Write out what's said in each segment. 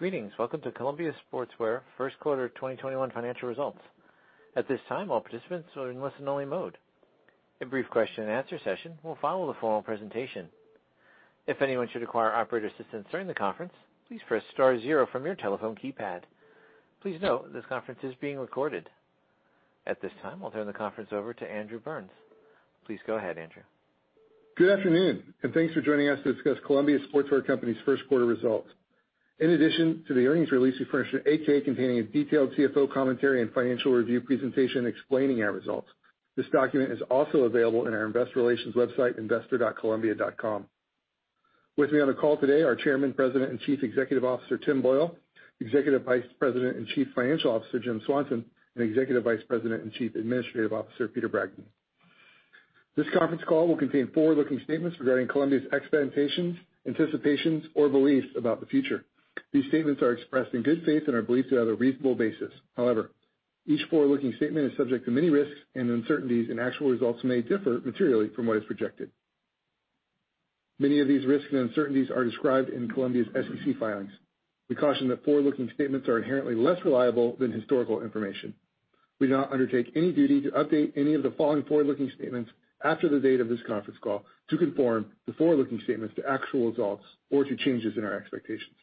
Greetings. Welcome to Columbia Sportswear first quarter 2021 financial results. At this time, all participants are in listen-only mode. A brief question-and-answer session will follow the formal presentation. If anyone should require operator assistance during the conference, please press star zero from your telephone keypad. Please note this conference is being recorded. At this time, I'll turn the conference over to Andrew Burns. Please go ahead, Andrew. Good afternoon, thanks for joining us to discuss Columbia Sportswear Company's first quarter results. In addition to the earnings release, we furnished an 8-K containing a detailed CFO commentary and financial review presentation explaining our results. This document is also available on our investor relations website, investor.columbia.com. With me on the call today are Chairman, President, and Chief Executive Officer, Tim Boyle, Executive Vice President and Chief Financial Officer, Jim Swanson, and Executive Vice President and Chief Administrative Officer, Peter Bragdon. This conference call will contain forward-looking statements regarding Columbia's expectations, anticipations, or beliefs about the future. These statements are expressed in good faith and are believed to have a reasonable basis. However, each forward-looking statement is subject to many risks and uncertainties, and actual results may differ materially from what is projected. Many of these risks and uncertainties are described in Columbia's SEC filings. We caution that forward-looking statements are inherently less reliable than historical information. We do not undertake any duty to update any of the following forward-looking statements after the date of this conference call to conform the forward-looking statements to actual results or to changes in our expectations.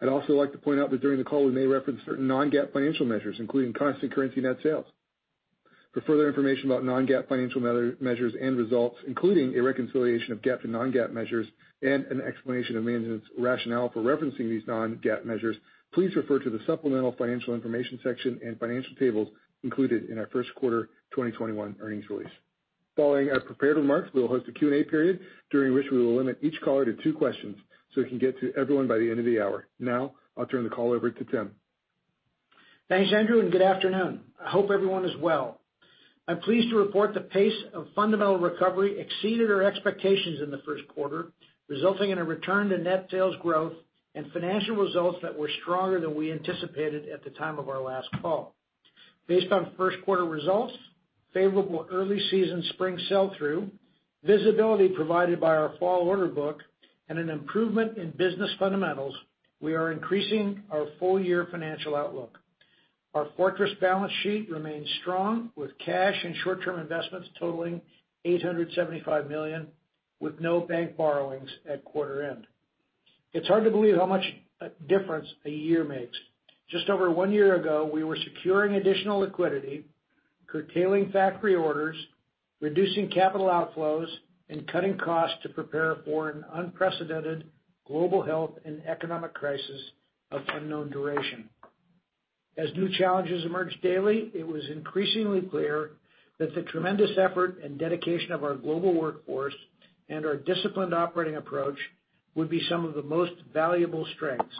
I'd also like to point out that during the call, we may reference certain non-GAAP financial measures, including constant currency net sales. For further information about non-GAAP financial measures and results, including a reconciliation of GAAP to non-GAAP measures and an explanation of management's rationale for referencing these non-GAAP measures, please refer to the supplemental financial information section and financial tables included in our first quarter 2021 earnings release. Following our prepared remarks, we will host a Q&A period, during which we will limit each caller to two questions so we can get to everyone by the end of the hour. Now, I'll turn the call over to Tim. Thanks, Andrew. Good afternoon. I hope everyone is well. I'm pleased to report the pace of fundamental recovery exceeded our expectations in the first quarter, resulting in a return to net sales growth and financial results that were stronger than we anticipated at the time of our last call. Based on first quarter results, favorable early season spring sell-through, visibility provided by our fall order book, and an improvement in business fundamentals, we are increasing our full-year financial outlook. Our fortress balance sheet remains strong with cash and short-term investments totaling $875 million, with no bank borrowings at quarter end. It's hard to believe how much difference a year makes. Just over one year ago, we were securing additional liquidity, curtailing factory orders, reducing capital outflows, and cutting costs to prepare for an unprecedented global health and economic crisis of unknown duration. As new challenges emerged daily, it was increasingly clear that the tremendous effort and dedication of our global workforce and our disciplined operating approach would be some of the most valuable strengths.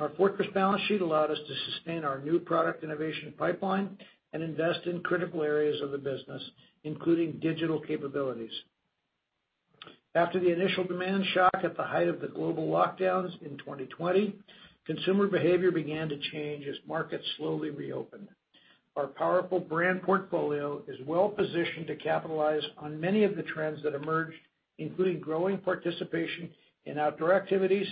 Our fortress balance sheet allowed us to sustain our new product innovation pipeline and invest in critical areas of the business, including digital capabilities. After the initial demand shock at the height of the global lockdowns in 2020, consumer behavior began to change as markets slowly reopened. Our powerful brand portfolio is well-positioned to capitalize on many of the trends that emerged, including growing participation in outdoor activities,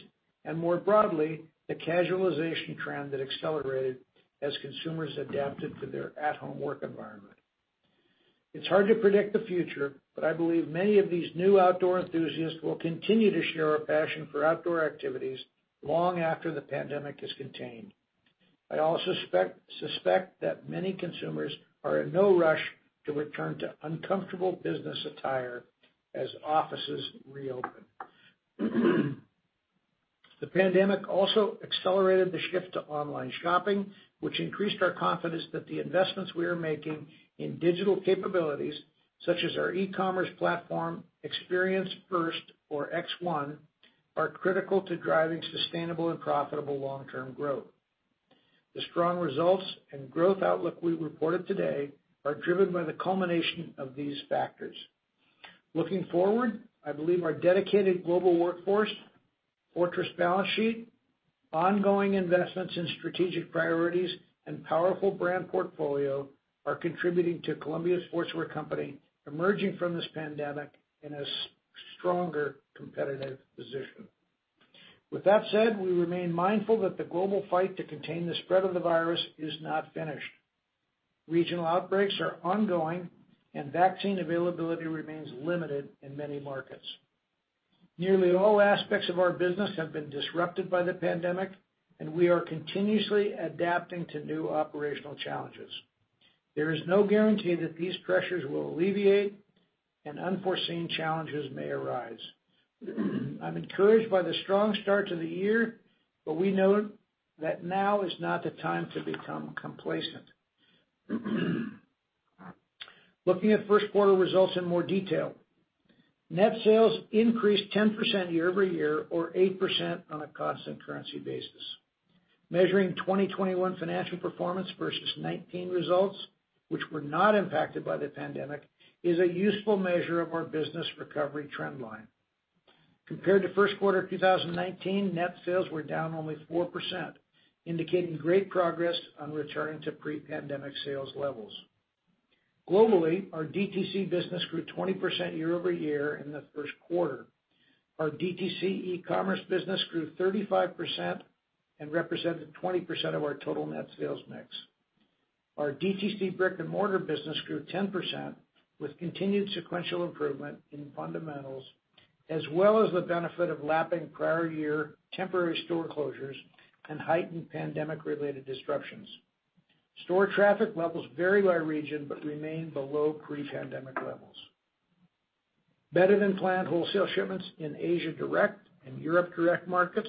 and more broadly, the casualization trend that accelerated as consumers adapted to their at-home work environment. It's hard to predict the future, but I believe many of these new outdoor enthusiasts will continue to share a passion for outdoor activities long after the pandemic is contained. I also suspect that many consumers are in no rush to return to uncomfortable business attire as offices reopen. The pandemic also accelerated the shift to online shopping, which increased our confidence that the investments we are making in digital capabilities such as our e-commerce platform, Experience First, or X1, are critical to driving sustainable and profitable long-term growth. The strong results and growth outlook we reported today are driven by the culmination of these factors. Looking forward, I believe our dedicated global workforce, fortress balance sheet, ongoing investments in strategic priorities, and powerful brand portfolio are contributing to Columbia Sportswear Company emerging from this pandemic in a stronger competitive position. With that said, we remain mindful that the global fight to contain the spread of the virus is not finished. Regional outbreaks are ongoing, and vaccine availability remains limited in many markets. Nearly all aspects of our business have been disrupted by the pandemic, and we are continuously adapting to new operational challenges. There is no guarantee that these pressures will alleviate and unforeseen challenges may arise. I'm encouraged by the strong start to the year, but we know that now is not the time to become complacent. Looking at first quarter results in more detail. Net sales increased 10% year-over-year or 8% on a constant currency basis. Measuring 2021 financial performance versus 2019 results, which were not impacted by the pandemic, is a useful measure of our business recovery trend line. Compared to first quarter 2019, net sales were down only 4%, indicating great progress on returning to pre-pandemic sales levels. Globally, our DTC business grew 20% year-over-year in the first quarter. Our DTC e-commerce business grew 35% and represented 20% of our total net sales mix. Our DTC brick and mortar business grew 10%, with continued sequential improvement in fundamentals, as well as the benefit of lapping prior year temporary store closures and heightened pandemic related disruptions. Store traffic levels vary by region but remain below pre-pandemic levels. Better than planned wholesale shipments in Asia Direct and Europe Direct markets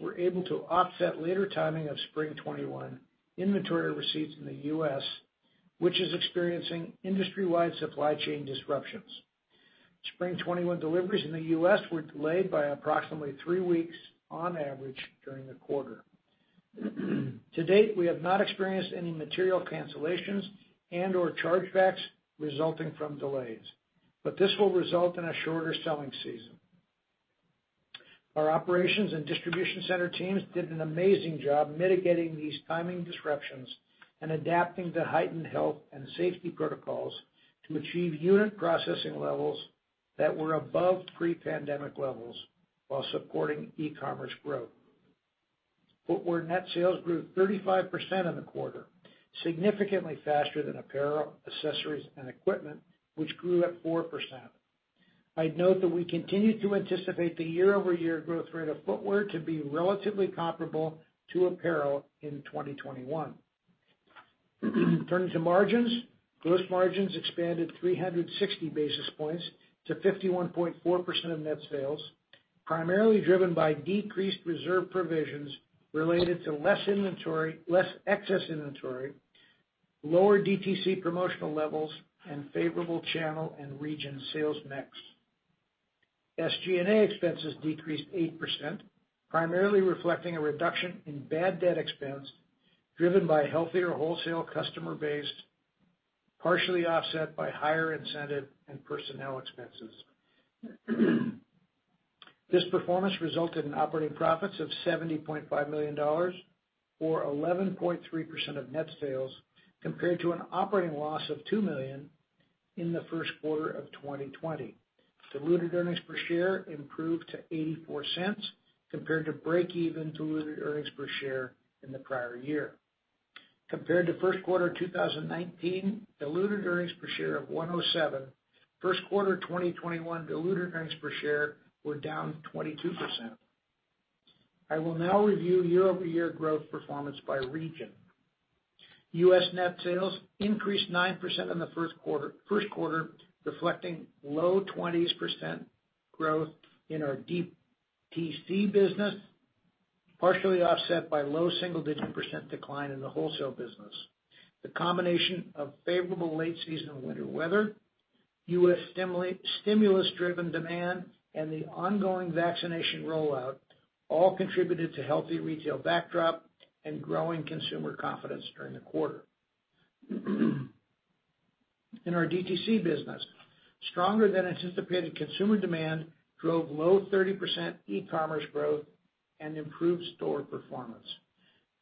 were able to offset later timing of spring 2021 inventory receipts in the U.S., which is experiencing industry-wide supply chain disruptions. Spring 2021 deliveries in the U.S. were delayed by approximately three weeks on average during the quarter. To date, we have not experienced any material cancellations and/or chargebacks resulting from delays, but this will result in a shorter selling season. Our operations and distribution center teams did an amazing job mitigating these timing disruptions and adapting to heightened health and safety protocols to achieve unit processing levels that were above pre-pandemic levels while supporting e-commerce growth. Footwear net sales grew 35% in the quarter, significantly faster than apparel, accessories, and equipment, which grew at 4%. I'd note that we continue to anticipate the year-over-year growth rate of footwear to be relatively comparable to apparel in 2021. Turning to margins, gross margins expanded 360 basis points to 51.4% of net sales, primarily driven by decreased reserve provisions related to less excess inventory, lower DTC promotional levels, and favorable channel and region sales mix. SG&A expenses decreased 8%, primarily reflecting a reduction in bad debt expense driven by healthier wholesale customer base, partially offset by higher incentive and personnel expenses. This performance resulted in operating profits of $70.5 million or 11.3% of net sales, compared to an operating loss of $2 million in the first quarter of 2020. Diluted earnings per share improved to $0.84 compared to break-even diluted earnings per share in the prior year. Compared to first quarter 2019 diluted earnings per share of $1.07, first quarter 2021 diluted earnings per share were down 22%. I will now review year-over-year growth performance by region. U.S. net sales increased 9% in the first quarter, reflecting low 20s% growth in our DTC business, partially offset by low single-digit% decline in the wholesale business. The combination of favorable late season winter weather, U.S. stimulus-driven demand, and the ongoing vaccination rollout all contributed to healthy retail backdrop and growing consumer confidence during the quarter. In our DTC business, stronger than anticipated consumer demand drove low 30% e-commerce growth and improved store performance.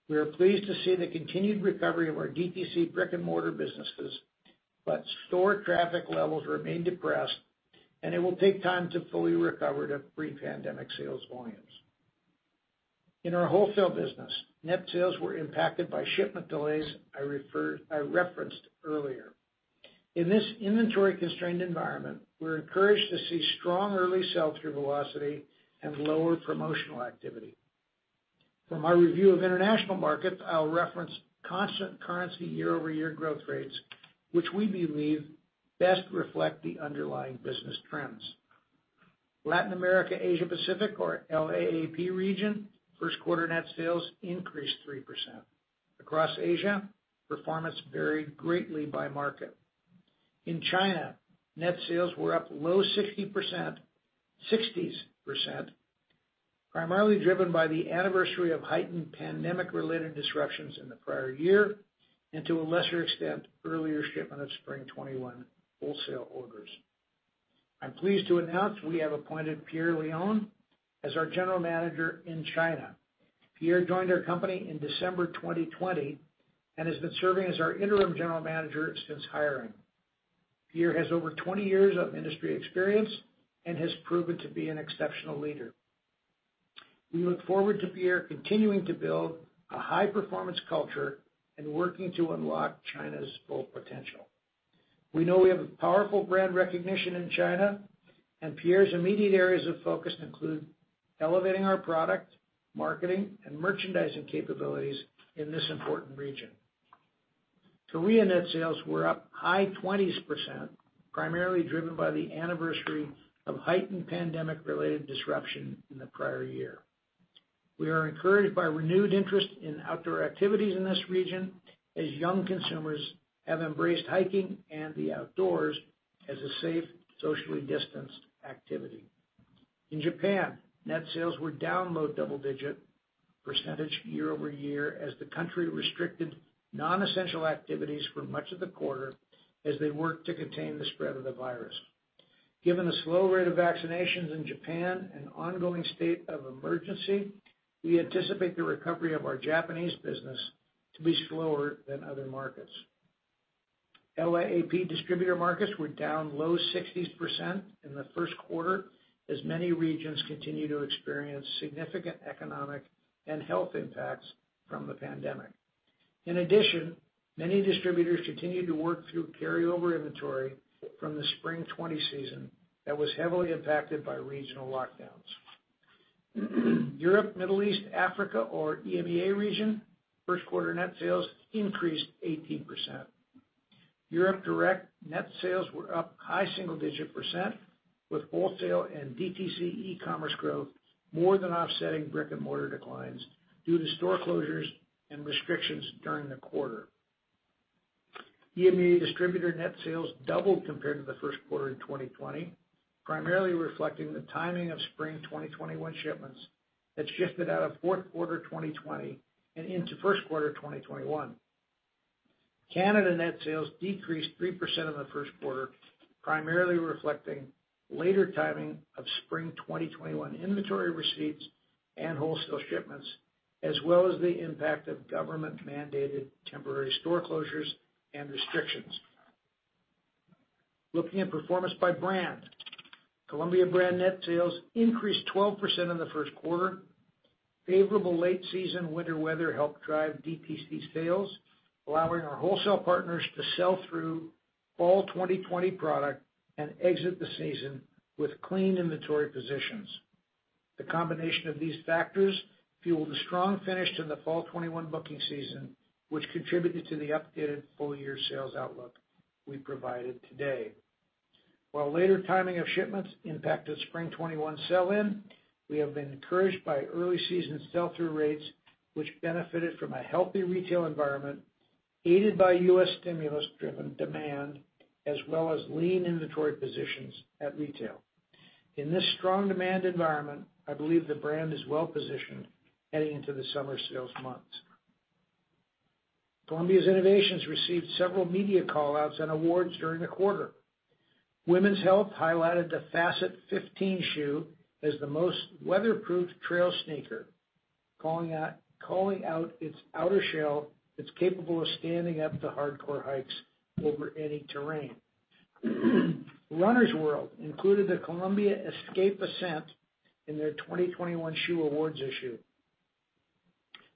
We are pleased to see the continued recovery of our DTC brick and mortar businesses, but store traffic levels remain depressed and it will take time to fully recover to pre-pandemic sales volumes. In our wholesale business, net sales were impacted by shipment delays I referenced earlier. In this inventory constrained environment, we're encouraged to see strong early sell-through velocity and lower promotional activity. For my review of international markets, I'll reference constant currency year-over-year growth rates, which we believe best reflect the underlying business trends. Latin America, Asia Pacific or LAAP region, first quarter net sales increased 3%. Across Asia, performance varied greatly by market. In China, net sales were up low 60s%, primarily driven by the anniversary of heightened pandemic related disruptions in the prior year, and to a lesser extent, earlier shipment of spring 2021 wholesale orders. I'm pleased to announce we have appointed Pierre Leon as our general manager in China. Pierre joined our company in December 2020 and has been serving as our interim general manager since hiring. Pierre has over 20 years of industry experience and has proven to be an exceptional leader. We look forward to Pierre continuing to build a high performance culture and working to unlock China's full potential. We know we have a powerful brand recognition in China, and Pierre's immediate areas of focus include elevating our product, marketing, and merchandising capabilities in this important region. Korea net sales were up high 20s%, primarily driven by the anniversary of heightened pandemic-related disruption in the prior year. We are encouraged by renewed interest in outdoor activities in this region as young consumers have embraced hiking and the outdoors as a safe, socially distanced activity. In Japan, net sales were down low double-digit% year-over-year as the country restricted non-essential activities for much of the quarter as they work to contain the spread of the virus. Given the slow rate of vaccinations in Japan and ongoing state of emergency, we anticipate the recovery of our Japanese business to be slower than other markets. LAAP distributor markets were down low 60s% in the first quarter, as many regions continue to experience significant economic and health impacts from the pandemic. In addition, many distributors continue to work through carryover inventory from the spring 2020 season that was heavily impacted by regional lockdowns. Europe, Middle East, Africa, or EMEA region, first quarter net sales increased 18%. Europe direct net sales were up high single-digit percent, with wholesale and DTC e-commerce growth more than offsetting brick and mortar declines due to store closures and restrictions during the quarter. EMEA distributor net sales doubled compared to the first quarter in 2020, primarily reflecting the timing of spring 2021 shipments that shifted out of fourth quarter 2020 and into first quarter 2021. Canada net sales decreased 3% in the first quarter, primarily reflecting later timing of spring 2021 inventory receipts and wholesale shipments, as well as the impact of government-mandated temporary store closures and restrictions. Looking at performance by brand. Columbia brand net sales increased 12% in the first quarter. Favorable late season winter weather helped drive DPC sales, allowing our wholesale partners to sell through fall 2020 product and exit the season with clean inventory positions. The combination of these factors fueled a strong finish to the fall 2021 booking season, which contributed to the updated full-year sales outlook we provided today. While later timing of shipments impacted spring 2021 sell-in, we have been encouraged by early season sell-through rates, which benefited from a healthy retail environment, aided by U.S. stimulus driven demand, as well as lean inventory positions at retail. In this strong demand environment, I believe the brand is well-positioned heading into the summer sales months. Columbia's innovations received several media callouts and awards during the quarter. Women's Health highlighted the Facet 15 shoe as the most weatherproof trail sneaker, calling out its outer shell that's capable of standing up to hardcore hikes over any terrain. Runner's World included the Columbia Escape Ascent in their 2021 shoe awards issue.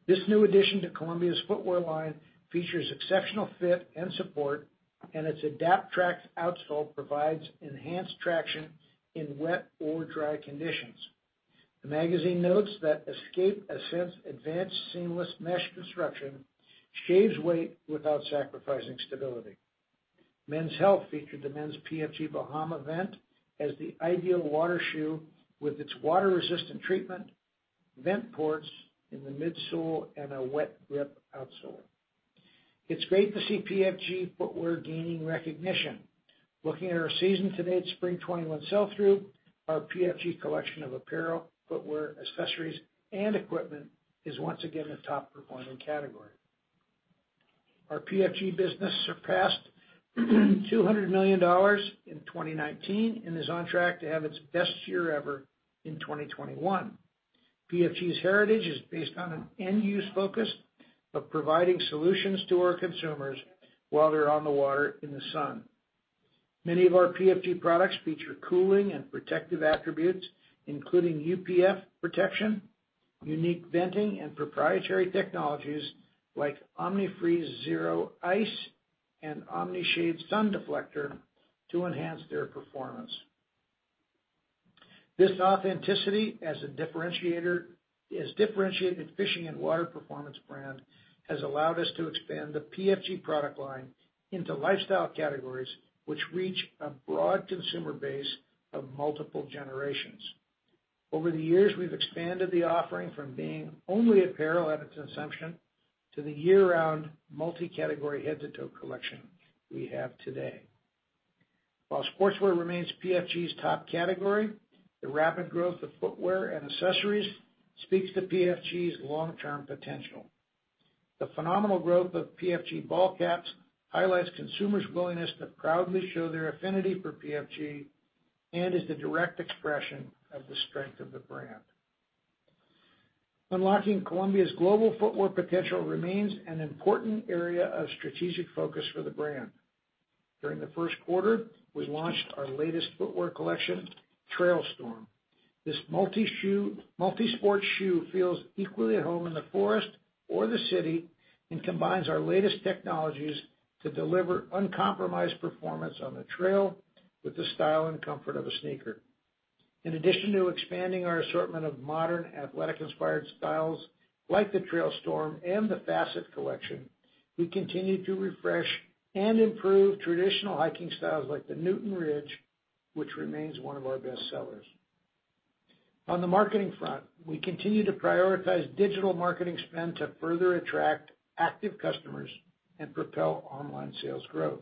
This new addition to Columbia's footwear line features exceptional fit and support. Its Adapt Trax outsole provides enhanced traction in wet or dry conditions. The magazine notes that Escape Ascent's advanced seamless mesh construction shaves weight without sacrificing stability. Men's Health featured the men's PFG Bahama Vent as the ideal water shoe with its water-resistant treatment, vent ports in the midsole, and a wet grip outsole. It's great to see PFG footwear gaining recognition. Looking at our season to date spring 2021 sell-through, our PFG collection of apparel, footwear, accessories, and equipment is once again a top performing category. Our PFG business surpassed $200 million in 2019 and is on track to have its best year ever in 2021. PFG's heritage is based on an end-use focus of providing solutions to our consumers while they're on the water in the sun. Many of our PFG products feature cooling and protective attributes, including UPF protection, unique venting, and proprietary technologies like Omni-Freeze Zero Ice and Omni-Shade Sun Deflector to enhance their performance. This authenticity as differentiated fishing and water performance brand has allowed us to expand the PFG product line into lifestyle categories, which reach a broad consumer base of multiple generations. Over the years, we've expanded the offering from being only apparel at its inception to the year-round multi-category head-to-toe collection we have today. While sportswear remains PFG's top category, the rapid growth of footwear and accessories speaks to PFG's long-term potential. The phenomenal growth of PFG ball caps highlights consumers' willingness to proudly show their affinity for PFG and is the direct expression of the strength of the brand. Unlocking Columbia's global footwear potential remains an important area of strategic focus for the brand. During the first quarter, we launched our latest footwear collection, Trailstorm. This multi-sport shoe feels equally at home in the forest or the city and combines our latest technologies to deliver uncompromised performance on the trail with the style and comfort of a sneaker. In addition to expanding our assortment of modern athletic-inspired styles like the Trailstorm and the Facet collection, we continue to refresh and improve traditional hiking styles like the Newton Ridge, which remains one of our best sellers. On the marketing front, we continue to prioritize digital marketing spend to further attract active customers and propel online sales growth.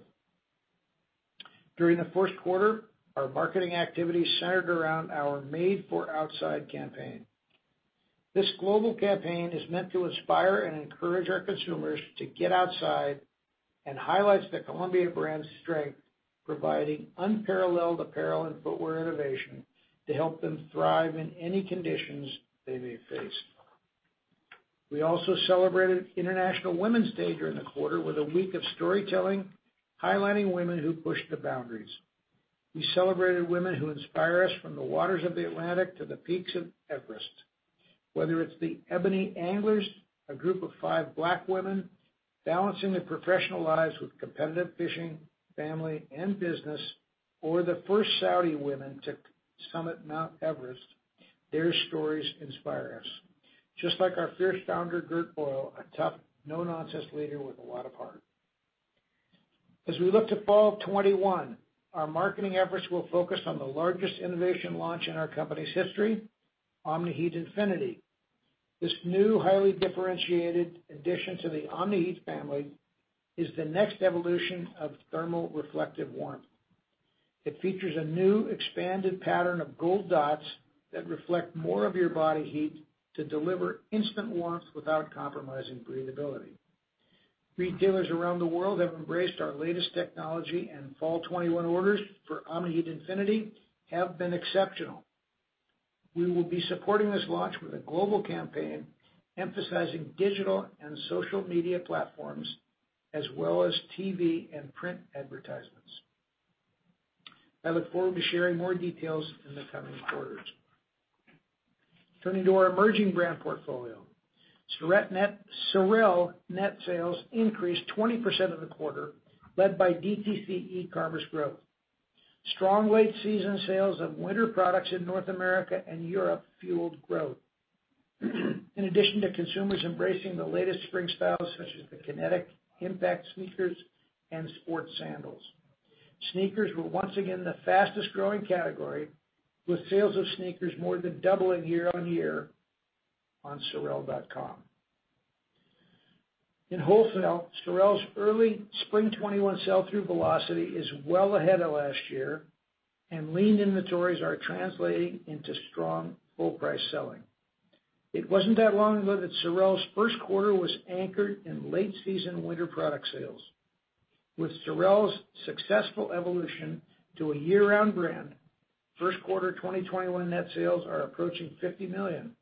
During the first quarter, our marketing activities centered around our Made for Outside campaign. This global campaign is meant to inspire and encourage our consumers to get outside and highlights the Columbia brand's strength, providing unparalleled apparel and footwear innovation to help them thrive in any conditions they may face. We also celebrated International Women's Day during the quarter with a week of storytelling, highlighting women who pushed the boundaries. We celebrated women who inspire us from the waters of the Atlantic to the peaks of Everest. Whether it's the Ebony Anglers, a group of five Black women balancing their professional lives with competitive fishing, family, and business, or the first Saudi women to summit Mount Everest, their stories inspire us. Just like our fierce founder, Gert Boyle, a tough, no-nonsense leader with a lot of heart. As we look to fall 2021, our marketing efforts will focus on the largest innovation launch in our company's history, Omni-Heat Infinity. This new highly differentiated addition to the Omni-Heat family is the next evolution of thermal reflective warmth. It features a new expanded pattern of gold dots that reflect more of your body heat to deliver instant warmth without compromising breathability. Retailers around the world have embraced our latest technology, and fall 2021 orders for Omni-Heat Infinity have been exceptional. We will be supporting this launch with a global campaign emphasizing digital and social media platforms, as well as TV and print advertisements. I look forward to sharing more details in the coming quarters. Turning to our emerging brand portfolio. SOREL net sales increased 20% in the quarter, led by DTC e-commerce growth. Strong late-season sales of winter products in North America and Europe fueled growth. In addition to consumers embracing the latest spring styles such as the Kinetic Impact sneakers and sport sandals. Sneakers were once again the fastest-growing category, with sales of sneakers more than doubling year-on-year on sorel.com. In wholesale, SOREL's early spring 2021 sell-through velocity is well ahead of last year, and lean inventories are translating into strong full price selling. It wasn't that long ago that SOREL's first quarter was anchored in late season winter product sales. With SOREL's successful evolution to a year-round brand, first quarter 2021 net sales are approaching $50 million,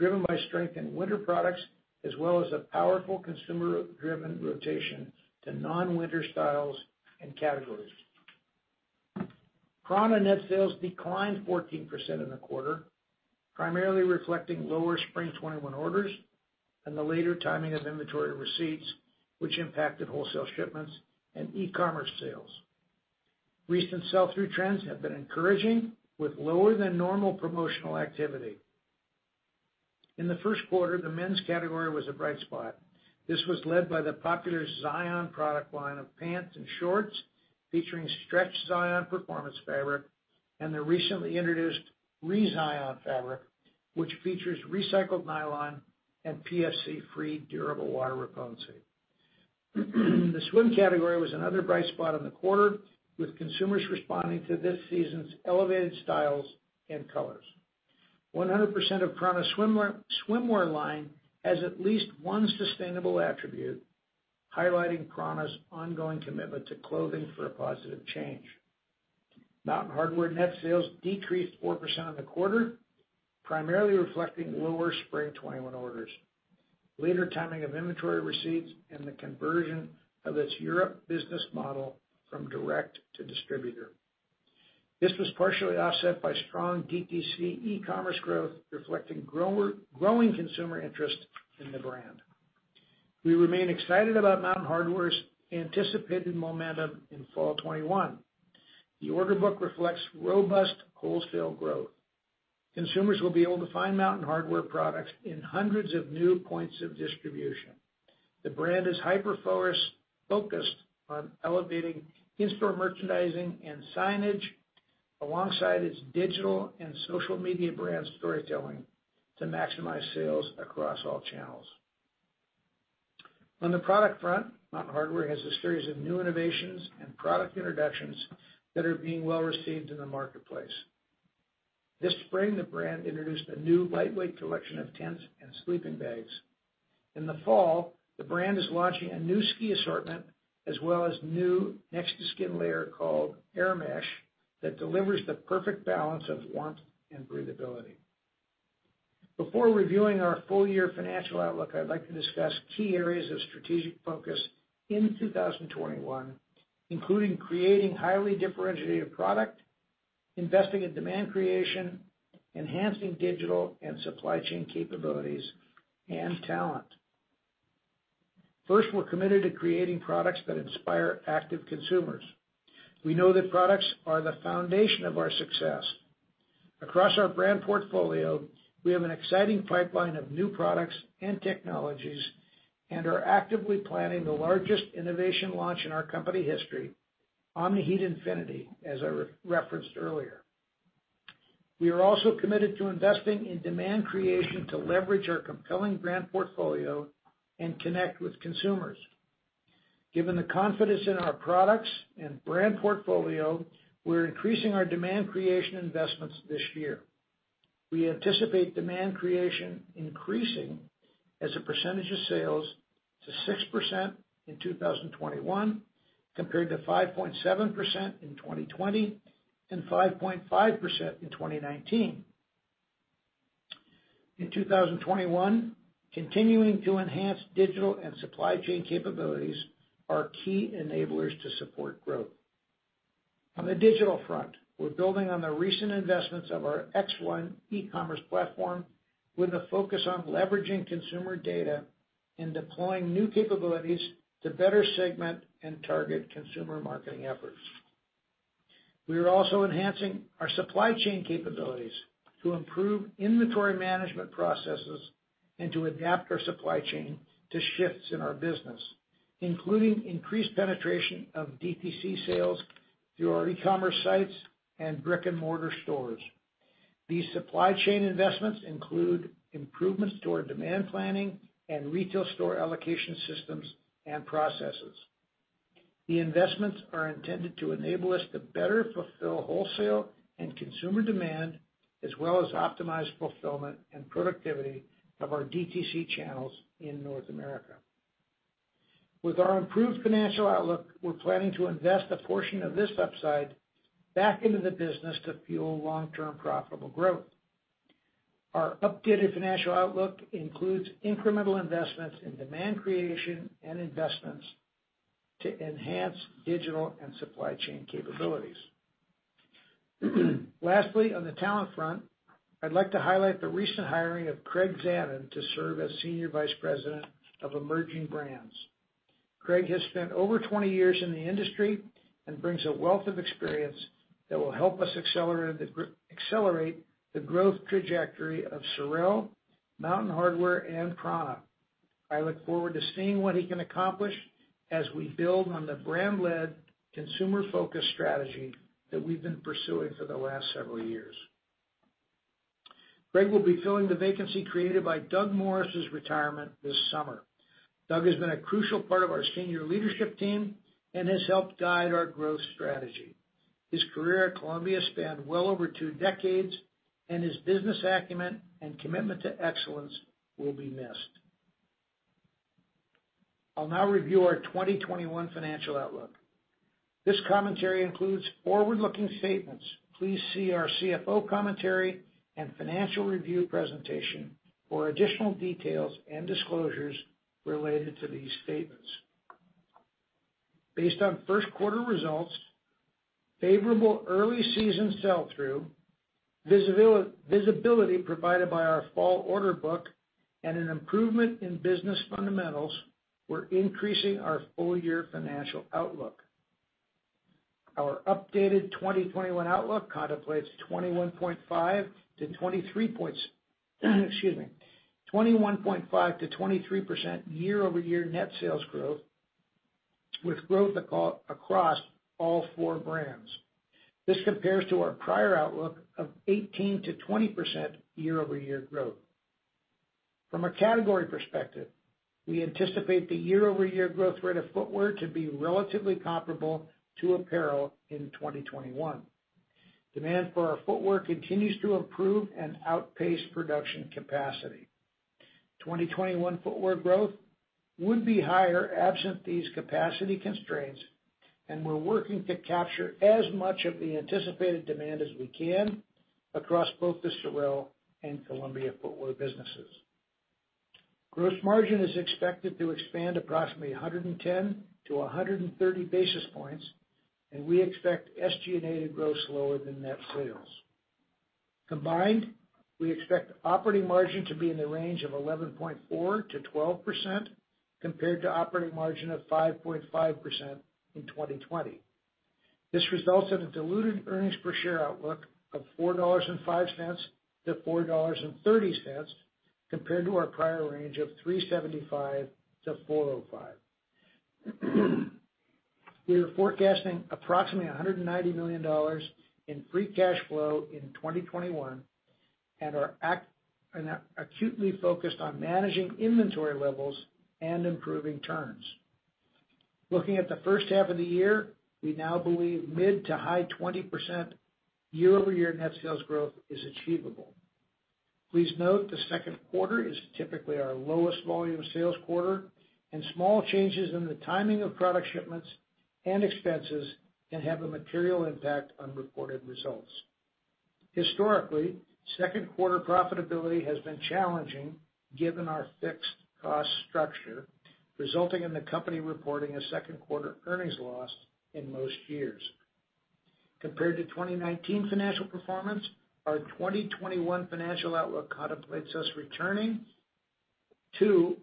driven by strength in winter products as well as a powerful consumer-driven rotation to non-winter styles and categories. prAna net sales declined 14% in the quarter, primarily reflecting lower spring 2021 orders and the later timing of inventory receipts, which impacted wholesale shipments and e-commerce sales. Recent sell-through trends have been encouraging, with lower than normal promotional activity. In the first quarter, the men's category was a bright spot. This was led by the popular Zion product line of pants and shorts, featuring Stretch Zion performance fabric, and the recently introduced ReZion fabric, which features recycled nylon and PFC-free durable water repellency. The swim category was another bright spot in the quarter, with consumers responding to this season's elevated styles and colors. 100% of prAna's swimwear line has at least one sustainable attribute, highlighting prAna's ongoing commitment to clothing for a positive change. Mountain Hardwear net sales decreased 4% in the quarter, primarily reflecting lower spring 2021 orders. Later timing of inventory receipts and the conversion of its Europe business model from direct to distributor. This was partially offset by strong DTC e-commerce growth, reflecting growing consumer interest in the brand. We remain excited about Mountain Hardwear's anticipated momentum in fall 2021. The order book reflects robust wholesale growth. Consumers will be able to find Mountain Hardwear products in hundreds of new points of distribution. The brand is hyper-focused on elevating in-store merchandising and signage alongside its digital and social media brand storytelling to maximize sales across all channels. On the product front, Mountain Hardwear has a series of new innovations and product introductions that are being well received in the marketplace. This spring, the brand introduced a new lightweight collection of tents and sleeping bags. In the fall, the brand is launching a new ski assortment, as well as new next-to-skin layer called AirMesh that delivers the perfect balance of warmth and breathability. Before reviewing our full year financial outlook, I'd like to discuss key areas of strategic focus in 2021, including creating highly differentiated product, investing in demand creation, enhancing digital and supply chain capabilities, and talent. First, we're committed to creating products that inspire active consumers. We know that products are the foundation of our success. Across our brand portfolio, we have an exciting pipeline of new products and technologies and are actively planning the largest innovation launch in our company history, Omni-Heat Infinity, as I referenced earlier. We are also committed to investing in demand creation to leverage our compelling brand portfolio and connect with consumers. Given the confidence in our products and brand portfolio, we're increasing our demand creation investments this year. We anticipate demand creation increasing as a percentage of sales to 6% in 2021, compared to 5.7% in 2020, and 5.5% in 2019. In 2021, continuing to enhance digital and supply chain capabilities are key enablers to support growth. On the digital front, we're building on the recent investments of our X1 e-commerce platform with a focus on leveraging consumer data and deploying new capabilities to better segment and target consumer marketing efforts. We are also enhancing our supply chain capabilities to improve inventory management processes and to adapt our supply chain to shifts in our business, including increased penetration of DTC sales through our e-commerce sites and brick-and-mortar stores. These supply chain investments include improvements to our demand planning and retail store allocation systems and processes. The investments are intended to enable us to better fulfill wholesale and consumer demand, as well as optimize fulfillment and productivity of our DTC channels in North America. With our improved financial outlook, we're planning to invest a portion of this upside back into the business to fuel long-term profitable growth. Our updated financial outlook includes incremental investments in demand creation and investments to enhance digital and supply chain capabilities. Lastly, on the talent front, I'd like to highlight the recent hiring of Craig Zanon to serve as Senior Vice President of Emerging Brands. Craig has spent over 20 years in the industry, and brings a wealth of experience that will help us accelerate the growth trajectory of SOREL, Mountain Hardwear, and prAna. I look forward to seeing what he can accomplish as we build on the brand-led, consumer-focused strategy that we've been pursuing for the last several years. Craig will be filling the vacancy created by Doug Morris's retirement this summer. Doug has been a crucial part of our senior leadership team and has helped guide our growth strategy. His career at Columbia spanned well over two decades, and his business acumen and commitment to excellence will be missed. I'll now review our 2021 financial outlook. This commentary includes forward-looking statements. Please see our CFO commentary and financial review presentation for additional details and disclosures related to these statements. Based on first quarter results, favorable early season sell-through, visibility provided by our fall order book, and an improvement in business fundamentals, we're increasing our full year financial outlook. Our updated 2021 outlook contemplates 21.5% to 23% year-over-year net sales growth, with growth across all four brands. This compares to our prior outlook of 18% to 20% year-over-year growth. From a category perspective, we anticipate the year-over-year growth rate of footwear to be relatively comparable to apparel in 2021. Demand for our footwear continues to improve and outpace production capacity. 2021 footwear growth would be higher absent these capacity constraints, and we're working to capture as much of the anticipated demand as we can across both the SOREL and Columbia footwear businesses. Gross margin is expected to expand approximately 110 to 130 basis points, and we expect SG&A to grow slower than net sales. Combined, we expect operating margin to be in the range of 11.4%-12%, compared to operating margin of 5.5% in 2020. This results in a diluted earnings per share outlook of $4.05-$4.30, compared to our prior range of $3.75-$4.05. We are forecasting approximately $190 million in free cash flow in 2021, and are acutely focused on managing inventory levels and improving turns. Looking at the first half of the year, we now believe mid to high 20% year-over-year net sales growth is achievable. Please note, the second quarter is typically our lowest volume sales quarter, and small changes in the timing of product shipments and expenses can have a material impact on reported results. Historically, second quarter profitability has been challenging given our fixed cost structure, resulting in the company reporting a second quarter earnings loss in most years. Compared to 2019 financial performance, our 2021 financial outlook contemplates us returning to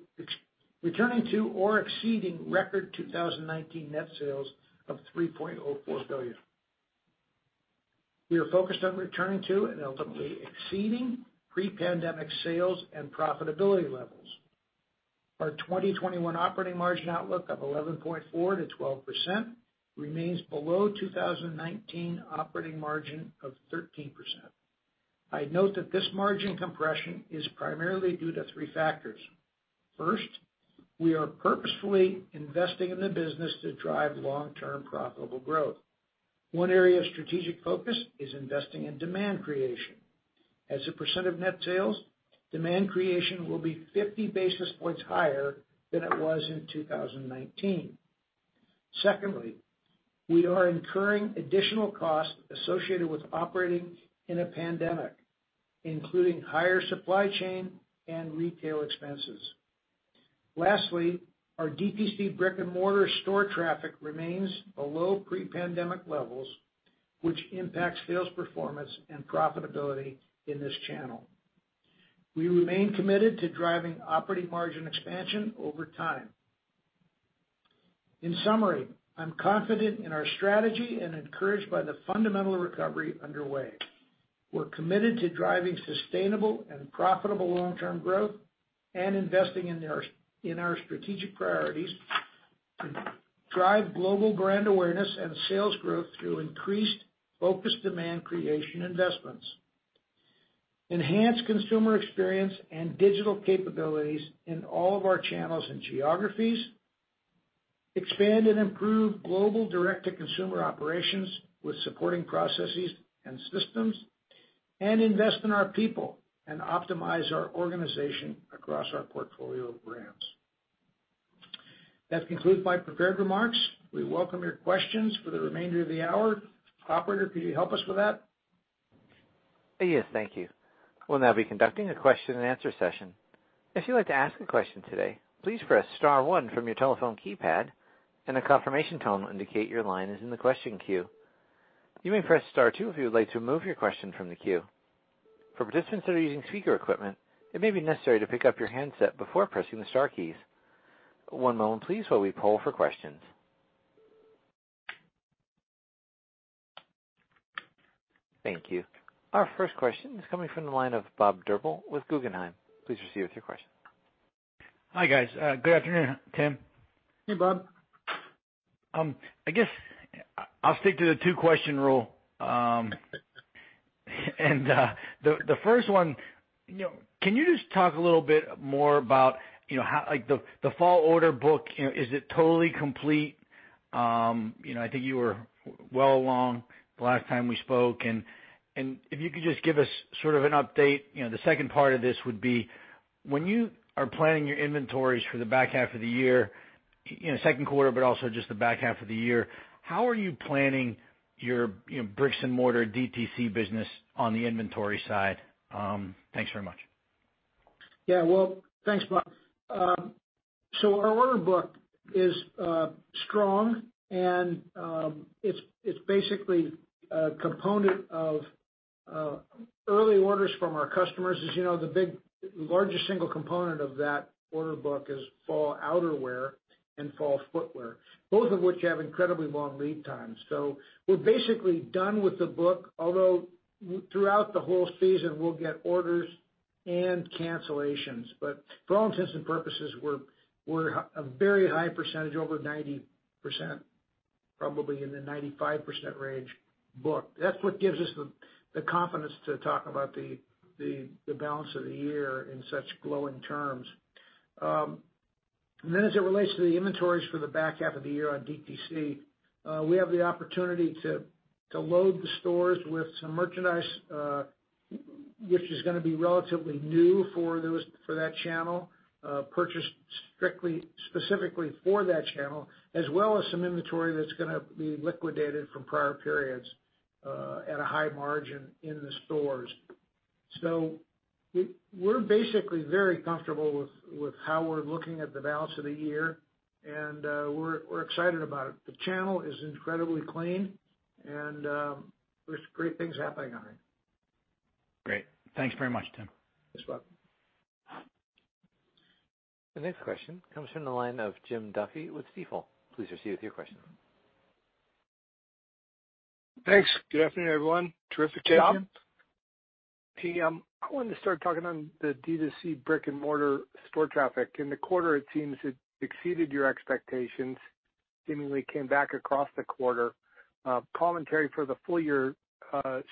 or exceeding record 2019 net sales of $3.04 billion. We are focused on returning to, and ultimately exceeding, pre-pandemic sales and profitability levels. Our 2021 operating margin outlook of 11.4%-12% remains below 2019 operating margin of 13%. I note that this margin compression is primarily due to three factors. First, we are purposefully investing in the business to drive long-term profitable growth. One area of strategic focus is investing in demand creation. As a % of net sales, demand creation will be 50 basis points higher than it was in 2019. Secondly, we are incurring additional costs associated with operating in a pandemic, including higher supply chain and retail expenses. Lastly, our DTC brick-and-mortar store traffic remains below pre-pandemic levels, which impacts sales performance and profitability in this channel. We remain committed to driving operating margin expansion over time. In summary, I'm confident in our strategy and encouraged by the fundamental recovery underway. We're committed to driving sustainable and profitable long-term growth and investing in our strategic priorities to drive global brand awareness and sales growth through increased focused demand creation investments, enhance consumer experience and digital capabilities in all of our channels and geographies, expand and improve global Direct-to-Consumer operations with supporting processes and systems, and invest in our people and optimize our organization across our portfolio of brands. That concludes my prepared remarks. We welcome your questions for the remainder of the hour. Operator, could you help us with that? Yes, thank you. We'll now be conducting a question-and-answer session. One moment please while we poll for questions. Thank you. Our first question is coming from the line of Bob Drbul with Guggenheim. Please proceed with your question. Hi, guys. Good afternoon, Tim. Hey, Bob. I guess I'll stick to the two-question rule. The first one, can you just talk a little bit more about the fall order book? Is it totally complete? I think you were well along the last time we spoke, and if you could just give us sort of an update. The second part of this would be, when you are planning your inventories for the back half of the year, second quarter, but also just the back half of the year, how are you planning your bricks and mortar DTC business on the inventory side? Thanks very much. Yeah. Well, thanks, Bob. Our order book is strong and it's basically a component of early orders from our customers. As you know, the largest single component of that order book is fall outerwear and fall footwear, both of which have incredibly long lead times. We're basically done with the book, although throughout the whole season, we'll get orders and cancellations. For all intents and purposes, we're a very high percentage, over 90%, probably in the 95% range book. That's what gives us the confidence to talk about the balance of the year in such glowing terms. As it relates to the inventories for the back half of the year on DTC, we have the opportunity to load the stores with some merchandise, which is going to be relatively new for that channel, purchased specifically for that channel, as well as some inventory that's going to be liquidated from prior periods at a high margin in the stores. We're basically very comfortable with how we're looking at the balance of the year, and we're excited about it. The channel is incredibly clean, and there's great things happening on it. Great. Thanks very much, Tim. Thanks, Bob. The next question comes from the line of Jim Duffy with Stifel. Please proceed with your question. Thanks. Good afternoon, everyone. Terrific job. Jim. Hey. I wanted to start talking on the DTC brick-and-mortar store traffic. In the quarter, it seems it exceeded your expectations, seemingly came back across the quarter. Commentary for the full year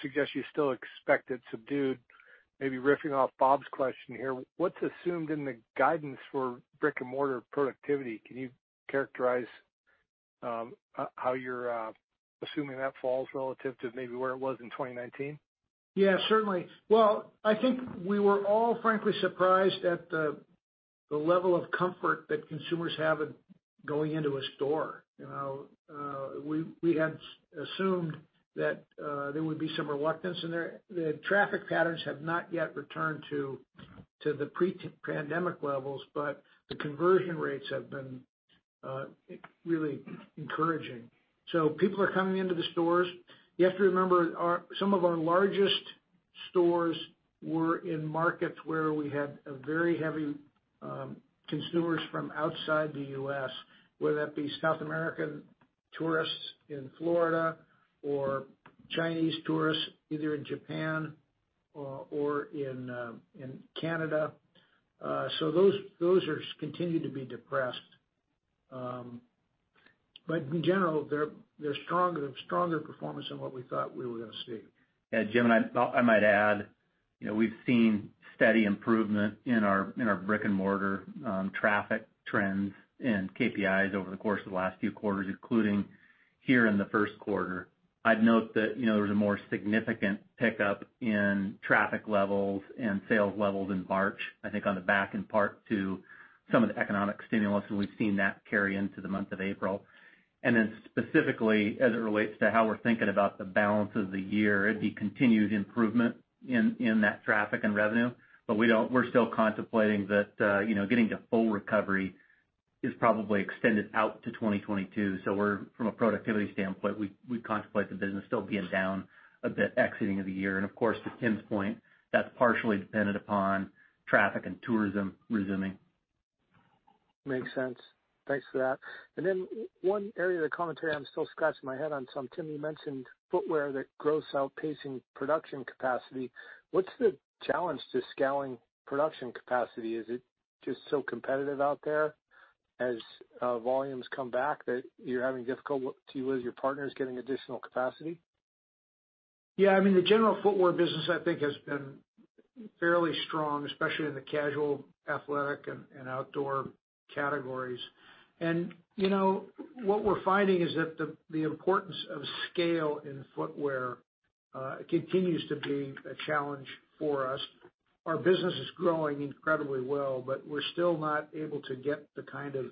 suggests you still expect it subdued. Maybe riffing off Bob's question here, what's assumed in the guidance for brick-and-mortar productivity? Can you characterize how you're assuming that falls relative to maybe where it was in 2019? Certainly. Well, I think we were all frankly surprised at the level of comfort that consumers have going into a store. We had assumed that there would be some reluctance in there. The traffic patterns have not yet returned to the pre-pandemic levels, but the conversion rates have been really encouraging. People are coming into the stores. You have to remember, some of our largest stores were in markets where we had a very heavy consumers from outside the U.S., whether that be South American tourists in Florida or Chinese tourists either in Japan or in Canada. Those continue to be depressed. But in general, they're stronger performance than what we thought we were going to see. Jim, I might add, we've seen steady improvement in our brick and mortar traffic trends and KPIs over the course of the last few quarters, including here in the first quarter. I'd note that there was a more significant pickup in traffic levels and sales levels in March, I think on the back in part to some of the economic stimulus. We've seen that carry into the month of April. Specifically, as it relates to how we're thinking about the balance of the year, it'd be continued improvement in that traffic and revenue. We're still contemplating that getting to full recovery is probably extended out to 2022. From a productivity standpoint, we contemplate the business still being down a bit exiting of the year. Of course, to Tim's point, that's partially dependent upon traffic and tourism resuming. Makes sense. Thanks for that. One area of the commentary I'm still scratching my head on some. Tim, you mentioned footwear, that growth's outpacing production capacity. What's the challenge to scaling production capacity? Is it just so competitive out there as volumes come back that you're having difficulty with your partners getting additional capacity? Yeah, the general footwear business, I think, has been fairly strong, especially in the casual athletic and outdoor categories. What we're finding is that the importance of scale in footwear continues to be a challenge for us. Our business is growing incredibly well, but we're still not able to get the kind of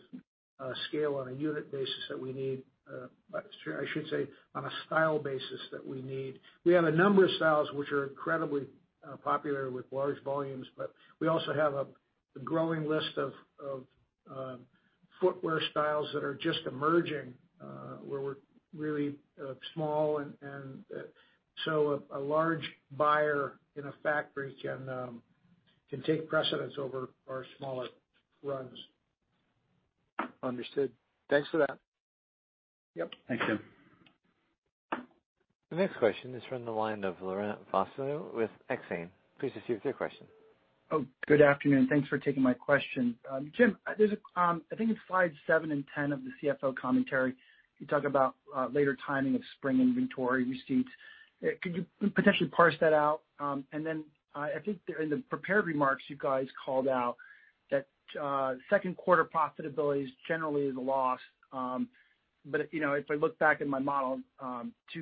scale on a unit basis that we need, I should say, on a style basis that we need. We have a number of styles which are incredibly popular with large volumes, but we also have a growing list of footwear styles that are just emerging, where we're really small. A large buyer in a factory can take precedence over our smaller runs. Understood. Thanks for that. Yep. Thanks, Tim. The next question is from the line of Laurent Vasilescu with Exane. Please proceed with your question. Good afternoon. Thanks for taking my question. Jim, I think it's slide seven in 10 of the CFO commentary, you talk about later timing of spring inventory receipts. Could you potentially parse that out? I think in the prepared remarks, you guys called out that second quarter profitability is generally the loss. If I look back in my model, 2Q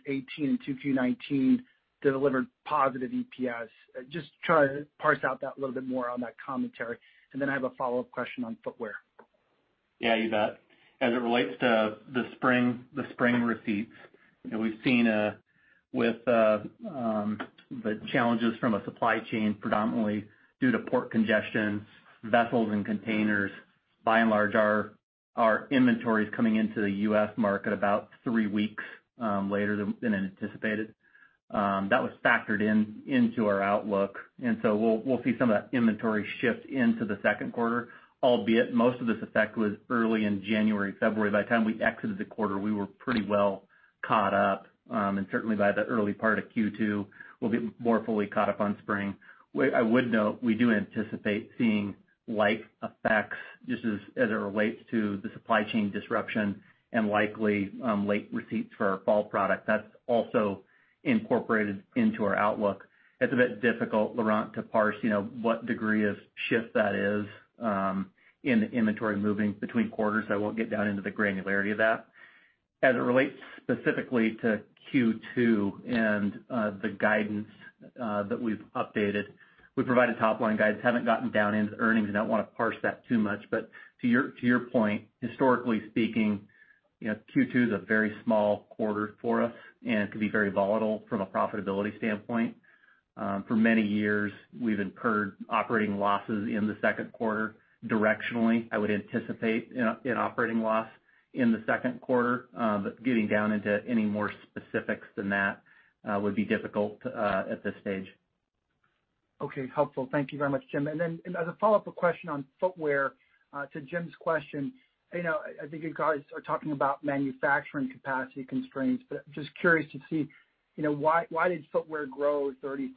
2018 and 2Q 2019, they delivered positive EPS. Just try to parse out that a little bit more on that commentary. I have a follow-up question on footwear. Yeah, you bet. As it relates to the spring receipts, we've seen with the challenges from a supply chain predominantly due to port congestion, vessels and containers, by and large, our inventory is coming into the U.S. market about three weeks later than anticipated. That was factored into our outlook. So we'll see some of that inventory shift into the second quarter, albeit most of this effect was early in January, February. By the time we exited the quarter, we were pretty well caught up. Certainly by the early part of Q2, we'll be more fully caught up on spring. I would note, we do anticipate seeing light effects just as it relates to the supply chain disruption and likely late receipts for our fall product. That's also incorporated into our outlook. It's a bit difficult, Laurent, to parse what degree of shift that is in the inventory moving between quarters. I won't get down into the granularity of that. As it relates specifically to Q2 and the guidance that we've updated, we provided top line guidance. Haven't gotten down into earnings. I don't want to parse that too much. To your point, historically speaking, Q2 is a very small quarter for us, and it can be very volatile from a profitability standpoint. For many years, we've incurred operating losses in the second quarter. Directionally, I would anticipate an operating loss in the second quarter, getting down into any more specifics than that would be difficult at this stage. Okay, helpful. Thank you very much, Jim. As a follow-up question on footwear, to Jim's question, I think you guys are talking about manufacturing capacity constraints, but just curious to see why did footwear grow 35%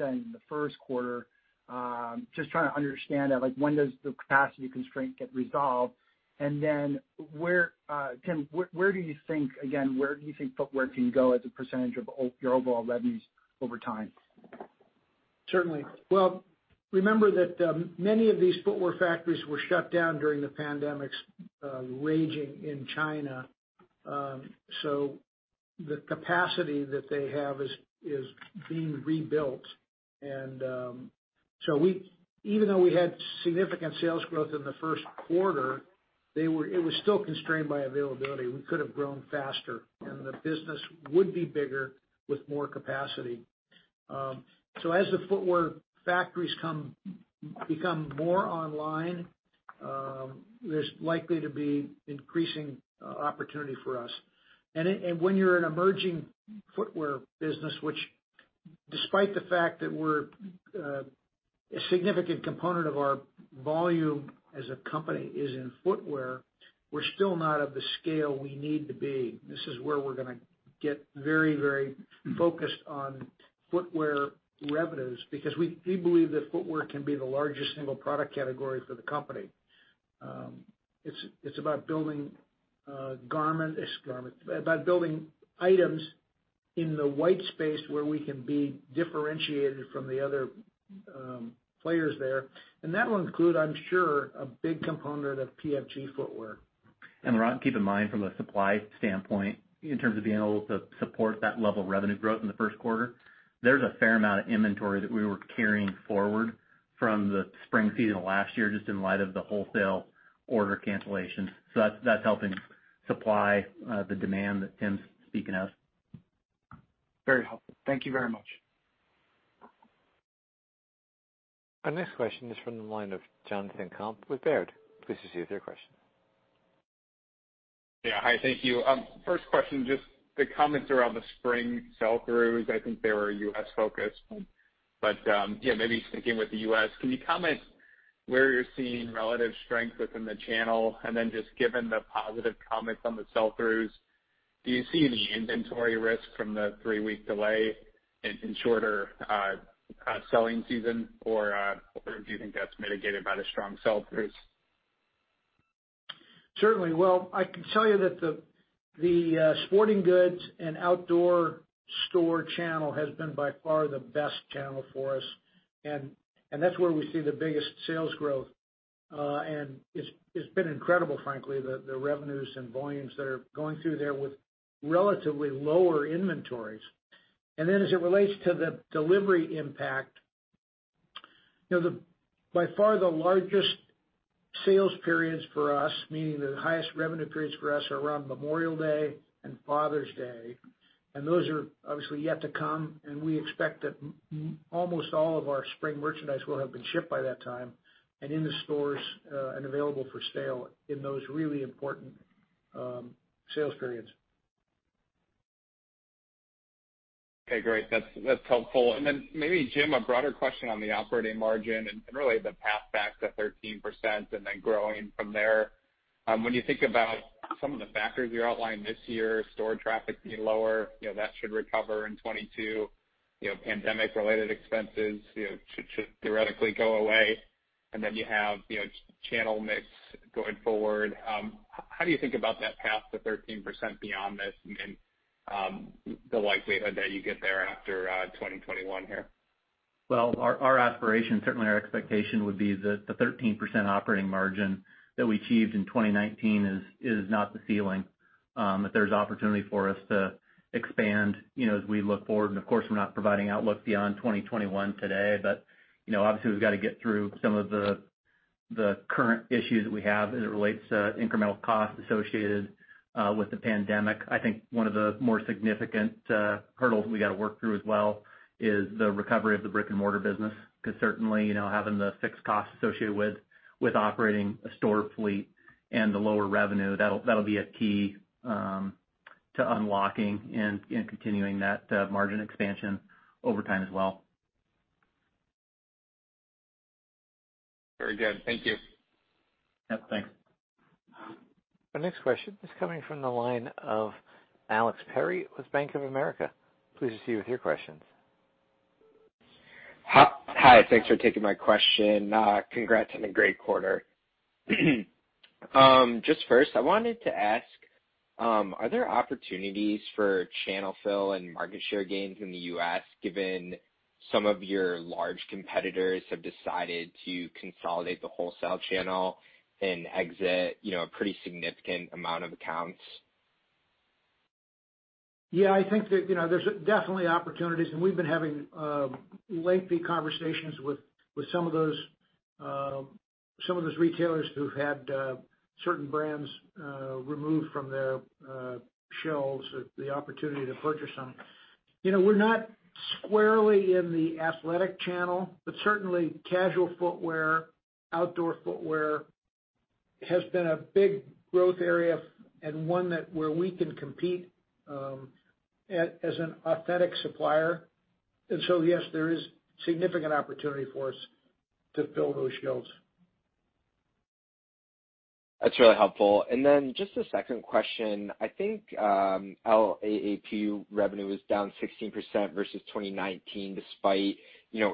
in the first quarter? Just trying to understand that. When does the capacity constraint get resolved? Jim, where do you think footwear can go as a percentage of your overall revenues over time? Certainly. Well, remember that many of these footwear factories were shut down during the pandemic's raging in China. The capacity that they have is being rebuilt. Even though we had significant sales growth in the first quarter, it was still constrained by availability. We could have grown faster, and the business would be bigger with more capacity. As the footwear factories become more online, there's likely to be increasing opportunity for us. When you're an emerging footwear business, which despite the fact that a significant component of our volume as a company is in footwear, we're still not of the scale we need to be. This is where we're going to get very focused on footwear revenues, because we believe that footwear can be the largest single product category for the company. It's about building items in the white space where we can be differentiated from the other players there. That will include, I'm sure, a big component of PFG footwear. Ron, keep in mind from a supply standpoint, in terms of being able to support that level of revenue growth in the first quarter, there's a fair amount of inventory that we were carrying forward from the spring season of last year, just in light of the wholesale order cancellation. That's helping supply the demand that Tim's speaking of. Very helpful. Thank you very much. Our next question is from the line of Jonathan Komp with Baird. Please proceed with your question. Yeah. Hi, thank you. First question, just the comments around the spring sell-throughs, I think they were U.S. focused, but yeah, maybe sticking with the U.S., can you comment where you're seeing relative strength within the channel? Given the positive comments on the sell-throughs, do you see any inventory risk from the three-week delay in shorter selling season, or do you think that's mitigated by the strong sell-throughs? Certainly. Well, I can tell you that the sporting goods and outdoor store channel has been by far the best channel for us. That's where we see the biggest sales growth. It's been incredible, frankly, the revenues and volumes that are going through there with relatively lower inventories. As it relates to the delivery impact, by far the largest sales periods for us, meaning the highest revenue periods for us, are around Memorial Day and Father's Day. Those are obviously yet to come, and we expect that almost all of our spring merchandise will have been shipped by that time, and in the stores, and available for sale in those really important sales periods. Okay, great. That's helpful. Maybe, Jim, a broader question on the operating margin and really the path back to 13% and then growing from there. When you think about some of the factors you outlined this year, store traffic being lower, that should recover in 2022. Pandemic related expenses should theoretically go away. Then you have channel mix going forward. How do you think about that path to 13% beyond this and the likelihood that you get there after 2021 here? Well, our aspiration, certainly our expectation would be the 13% operating margin that we achieved in 2019 is not the ceiling. That there's opportunity for us to expand as we look forward. Of course, we're not providing outlook beyond 2021 today. Obviously we've got to get through some of the current issues that we have as it relates to incremental costs associated with the pandemic. I think one of the more significant hurdles we got to work through as well is the recovery of the brick and mortar business, because certainly, having the fixed costs associated with operating a store fleet and the lower revenue, that'll be a key to unlocking and continuing that margin expansion over time as well. Very good. Thank you. Yep. Thanks. Our next question is coming from the line of Alex Perry with Bank of America. Please proceed with your questions. Hi, thanks for taking my question. Congrats on a great quarter. Just first I wanted to ask, are there opportunities for channel fill and market share gains in the U.S. given some of your large competitors have decided to consolidate the wholesale channel and exit a pretty significant amount of accounts? Yeah, I think that there's definitely opportunities, and we've been having lengthy conversations with some of those retailers who've had certain brands removed from their shelves at the opportunity to purchase them. We're not squarely in the athletic channel, but certainly casual footwear, outdoor footwear has been a big growth area and one where we can compete as an authentic supplier. Yes, there is significant opportunity for us to fill those shelves. That's really helpful. Just a second question. I think LAAP revenue was down 16% versus 2019 despite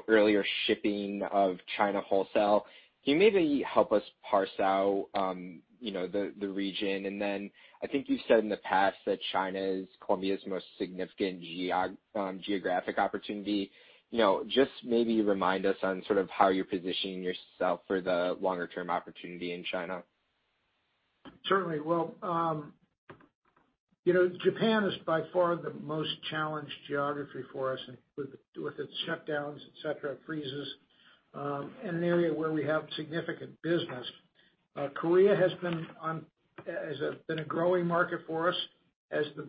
earlier shipping of China wholesale. Can you maybe help us parse out the region? I think you've said in the past that China is Columbia's most significant geographic opportunity. Just maybe remind us on sort of how you're positioning yourself for the longer-term opportunity in China. Certainly. Japan is by far the most challenged geography for us with its shutdowns, et cetera, freezes, an area where we have significant business. Korea has been a growing market for us as the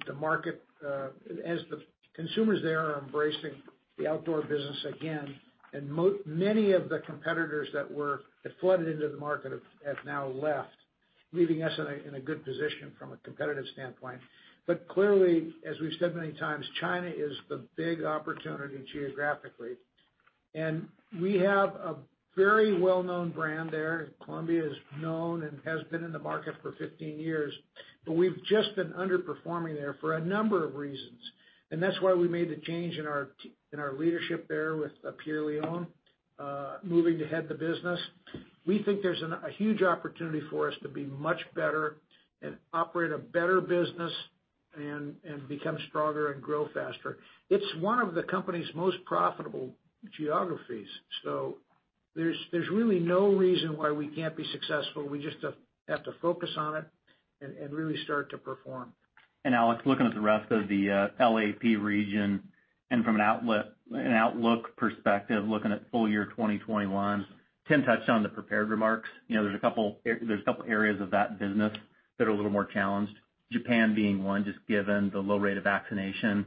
consumers there are embracing the outdoor business again. Many of the competitors that flooded into the market have now left, leaving us in a good position from a competitive standpoint. Clearly, as we've said many times, China is the big opportunity geographically. We have a very well-known brand there. Columbia is known and has been in the market for 15 years, but we've just been underperforming there for a number of reasons. That's why we made the change in our leadership there with Pierre Lion, moving ahead the business. We think there's a huge opportunity for us to be much better and operate a better business and become stronger and grow faster. It's one of the company's most profitable geographies. There's really no reason why we can't be successful. We just have to focus on it and really start to perform. Alex, looking at the rest of the LAAP region and from an outlook perspective, looking at full year 2021, Tim touched on the prepared remarks. There's a couple areas of that business that are a little more challenged. Japan being one, just given the low rate of vaccination and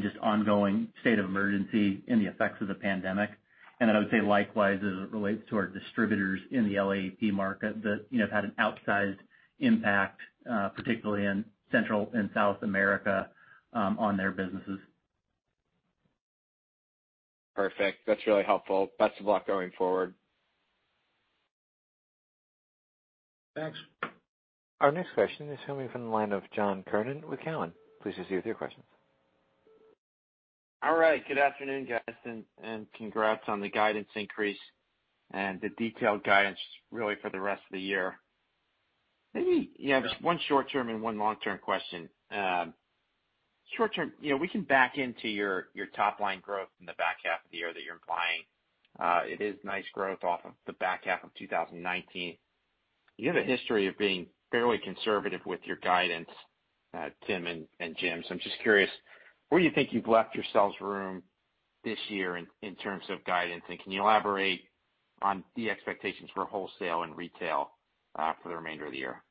just ongoing state of emergency and the effects of the pandemic. I would say likewise, as it relates to our distributors in the LAAP market that have had an outsized impact, particularly in Central and South America, on their businesses. Perfect. That's really helpful. Best of luck going forward. Thanks. Our next question is coming from the line of John Kernan with Cowen. Please proceed with your questions. Good afternoon, guys, congrats on the guidance increase and the detailed guidance, really, for the rest of the year. Maybe, just one short-term and one long-term question. Short term, we can back into your top line growth in the back half of the year that you're implying. It is nice growth off of the back half of 2019. You have a history of being fairly conservative with your guidance, Tim and Jim, so I'm just curious, where you think you've left yourselves room this year in terms of guidance, and can you elaborate on the expectations for wholesale and retail for the remainder of the year?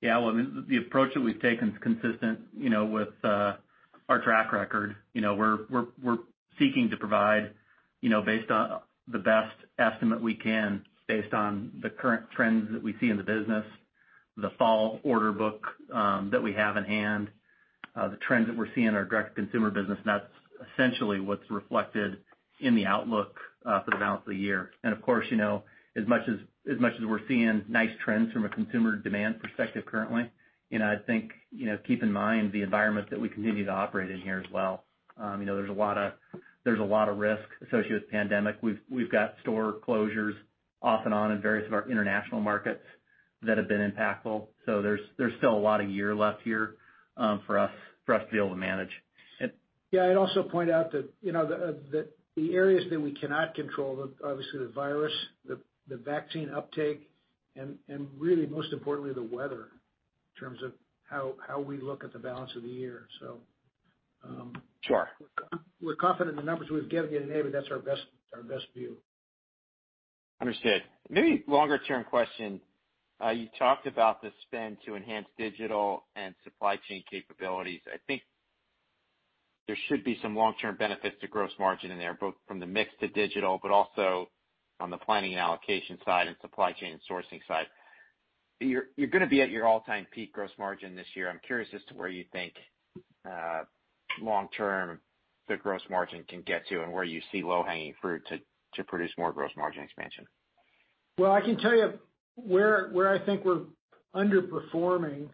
Yeah. Well, the approach that we've taken is consistent with our track record. We're seeking to provide based on the best estimate we can, based on the current trends that we see in the business, the fall order book that we have in hand, the trends that we're seeing in our direct consumer business, that's essentially what's reflected in the outlook for the balance of the year. Of course, as much as we're seeing nice trends from a consumer demand perspective currently, I think, keep in mind the environment that we continue to operate in here as well. There's a lot of risk associated with the pandemic. We've got store closures off and on in various of our international markets that have been impactful. There's still a lot of year left here for us to be able to manage. Yeah. I’d also point out that the areas that we cannot control, obviously the virus, the vaccine uptake, and really most importantly, the weather, in terms of how we look at the balance of the year. Sure We're confident in the numbers we've given you today, but that's our best view. Understood. Maybe longer term question. You talked about the spend to enhance digital and supply chain capabilities. I think there should be some long-term benefits to gross margin in there, both from the mix to digital, but also on the planning and allocation side and supply chain and sourcing side. You're going to be at your all-time peak gross margin this year. I'm curious as to where you think long term the gross margin can get to and where you see low-hanging fruit to produce more gross margin expansion. Well, I can tell you where I think we're underperforming,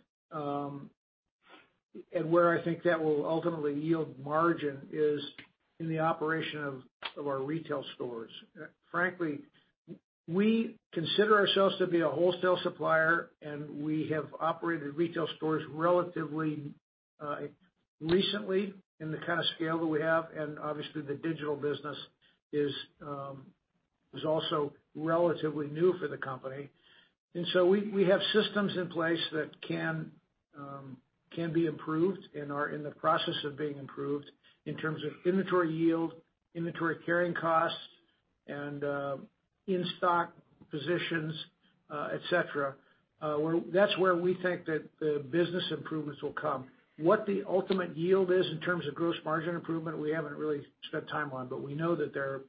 and where I think that will ultimately yield margin is in the operation of our retail stores. Frankly, we consider ourselves to be a wholesale supplier, and we have operated retail stores relatively recently in the kind of scale that we have, and obviously, the digital business is also relatively new for the company. We have systems in place that can be improved and are in the process of being improved in terms of inventory yield, inventory carrying costs, and in-stock positions, et cetera. That's where we think that the business improvements will come. What the ultimate yield is in terms of gross margin improvement, we haven't really spent time on, but we know that there are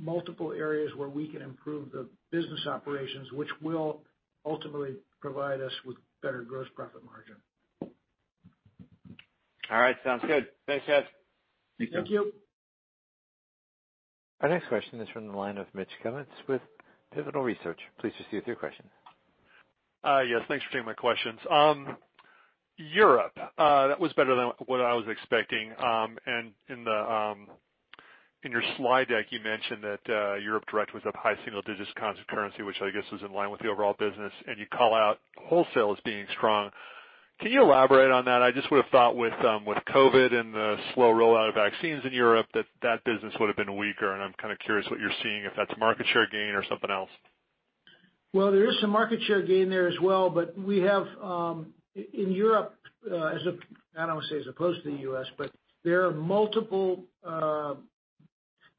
multiple areas where we can improve the business operations, which will ultimately provide us with better gross profit margin. All right. Sounds good. Thanks, guys. Thank you. Our next question is from the line of Mitch Kummetz with Pivotal Research. Please proceed with your question. Yes. Thanks for taking my questions. Europe. That was better than what I was expecting. In your slide deck, you mentioned that Europe direct was up high single-digits constant currency, which I guess is in line with the overall business, and you call out wholesale as being strong. Can you elaborate on that? I just would've thought with COVID and the slow rollout of vaccines in Europe, that that business would've been weaker, and I'm kind of curious what you're seeing, if that's market share gain or something else. Well, there is some market share gain there as well, but we have, in Europe, I don't want to say as opposed to the U.S., but there are multiple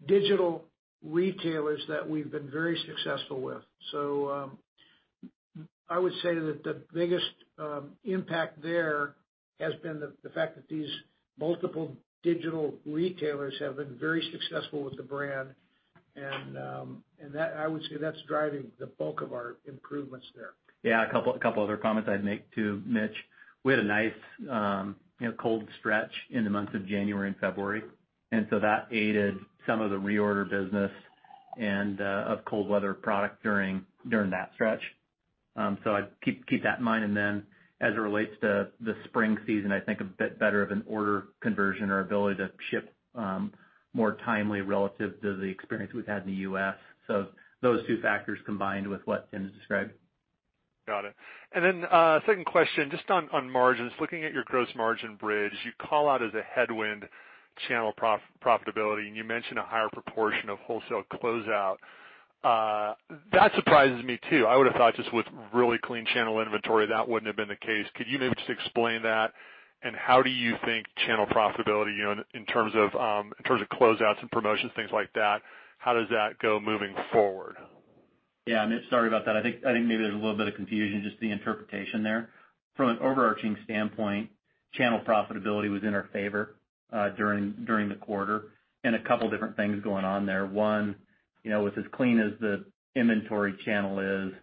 digital retailers that we've been very successful with. I would say that the biggest impact there has been the fact that these multiple digital retailers have been very successful with the brand, and I would say that's driving the bulk of our improvements there. Yeah. A couple other comments I'd make too, Mitch. We had a nice cold stretch in the months of January and February, that aided some of the reorder business and of cold weather product during that stretch. I'd keep that in mind. As it relates to the spring season, I think a bit better of an order conversion or ability to ship more timely relative to the experience we've had in the U.S. Those two factors combined with what Tim described. Got it. Then second question, just on margins. Looking at your gross margin bridge, you call out as a headwind channel profitability, and you mention a higher proportion of wholesale closeout. That surprises me too. I would've thought just with really clean channel inventory, that wouldn't have been the case. Could you maybe just explain that? How do you think channel profitability, in terms of closeouts and promotions, things like that, how does that go moving forward? Yeah. Mitch, sorry about that. I think maybe there's a little bit of confusion, just the interpretation there. From an overarching standpoint, channel profitability was in our favor during the quarter, and a couple different things going on there. One, as clean as the inventory channel is,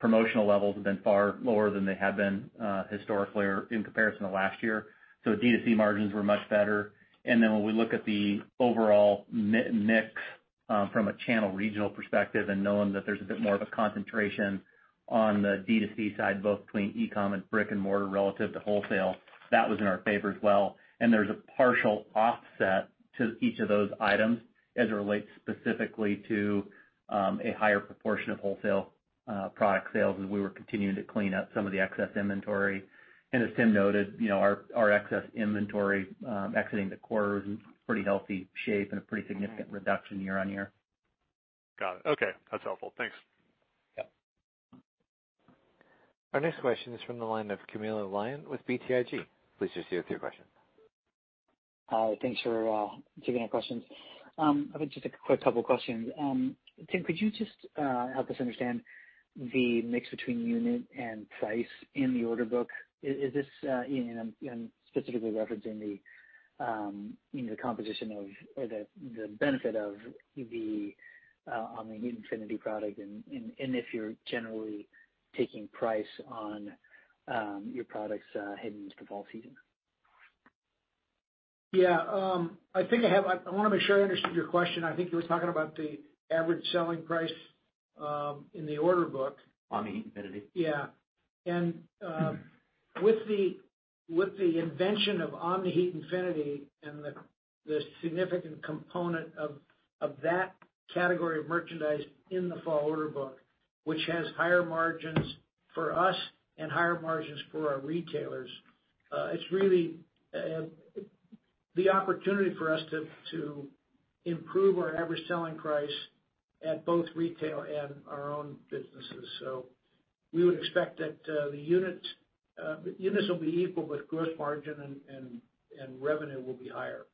promotional levels have been far lower than they have been historically or in comparison to last year. D2C margins were much better. When we look at the overall mix from a channel regional perspective and knowing that there's a bit more of a concentration on the D2C side, both between e-com and brick and mortar relative to wholesale, that was in our favor as well. There's a partial offset to each of those items as it relates specifically to a higher proportion of wholesale product sales as we were continuing to clean up some of the excess inventory. As Tim noted, our excess inventory exiting the quarter was in pretty healthy shape and a pretty significant reduction year-on-year. Got it. Okay. That's helpful. Thanks. Yep. Our next question is from the line of Camilo Lyon with BTIG. Please proceed with your question. Thanks for taking our questions. I have just a quick couple questions. Tim, could you just help us understand the mix between unit and price in the order book? I'm specifically referencing the composition of the Omni-Heat Infinity product and if you're generally taking price on your products heading into the fall season. Yeah. I want to make sure I understood your question. I think you were talking about the average selling price in the order book. Omni-Heat Infinity. With the invention of Omni-Heat Infinity and the significant component of that category of merchandise in the fall order book, which has higher margins for us and higher margins for our retailers, it's really the opportunity for us to improve our average selling price at both retail and our own businesses. We would expect that the units will be equal, but gross margin and revenue will be higher.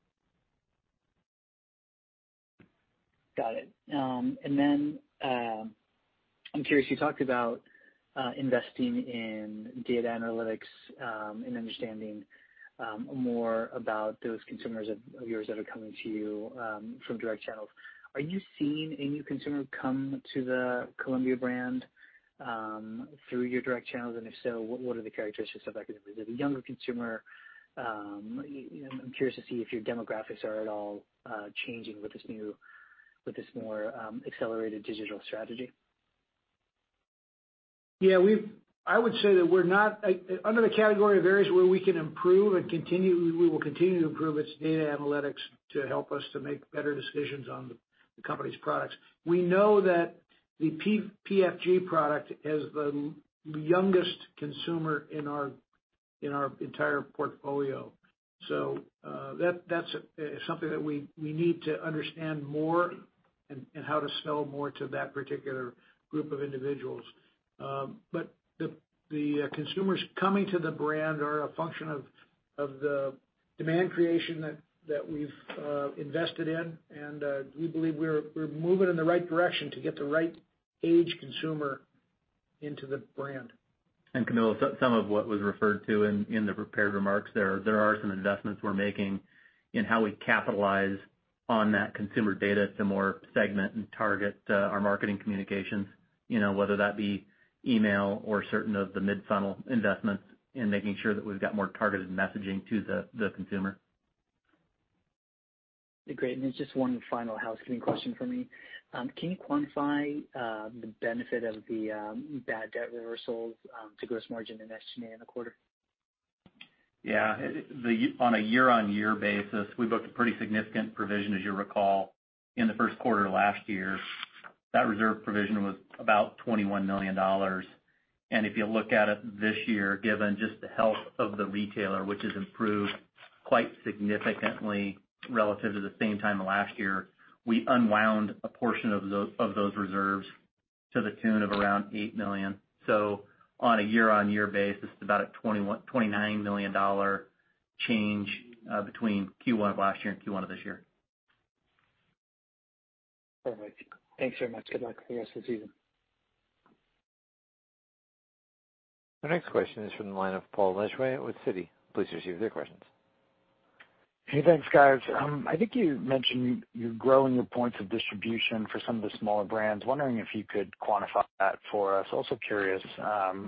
Got it. I'm curious, you talked about investing in data analytics and understanding more about those consumers of yours that are coming to you from direct channels. Are you seeing a new consumer come to the Columbia brand through your direct channels? If so, what are the characteristics of that consumer? Is it a younger consumer? I'm curious to see if your demographics are at all changing with this more accelerated digital strategy. Yeah. Under the category of areas where we can improve and we will continue to improve, it's data analytics to help us to make better decisions on the company's products. We know that the PFG product has the youngest consumer in our entire portfolio. That's something that we need to understand more and how to sell more to that particular group of individuals. The consumers coming to the brand are a function of the demand creation that we've invested in, and we believe we're moving in the right direction to get the right age consumer into the brand. Camilo, some of what was referred to in the prepared remarks there are some investments we're making in how we capitalize on that consumer data to more segment and target our marketing communications, whether that be email or certain of the mid-funnel investments in making sure that we've got more targeted messaging to the consumer. Great. Just one final housekeeping question from me. Can you quantify the benefit of the bad debt reversals to gross margin and net income in the quarter? Yeah. On a year-on-year basis, we booked a pretty significant provision, as you recall, in the first quarter of last year. That reserve provision was about $21 million. If you look at it this year, given just the health of the retailer, which has improved quite significantly relative to the same time last year, we unwound a portion of those reserves to the tune of around $8 million. On a year-on-year basis, it's about a $29 million change between Q1 of last year and Q1 of this year. Perfect. Thanks very much. Good luck for the rest of the season. Our next question is from the line of Paul Lejuez with Citi. Please proceed with your questions. Hey, thanks, guys. I think you mentioned you're growing your points of distribution for some of the smaller brands. Wondering if you could quantify that for us? Also curious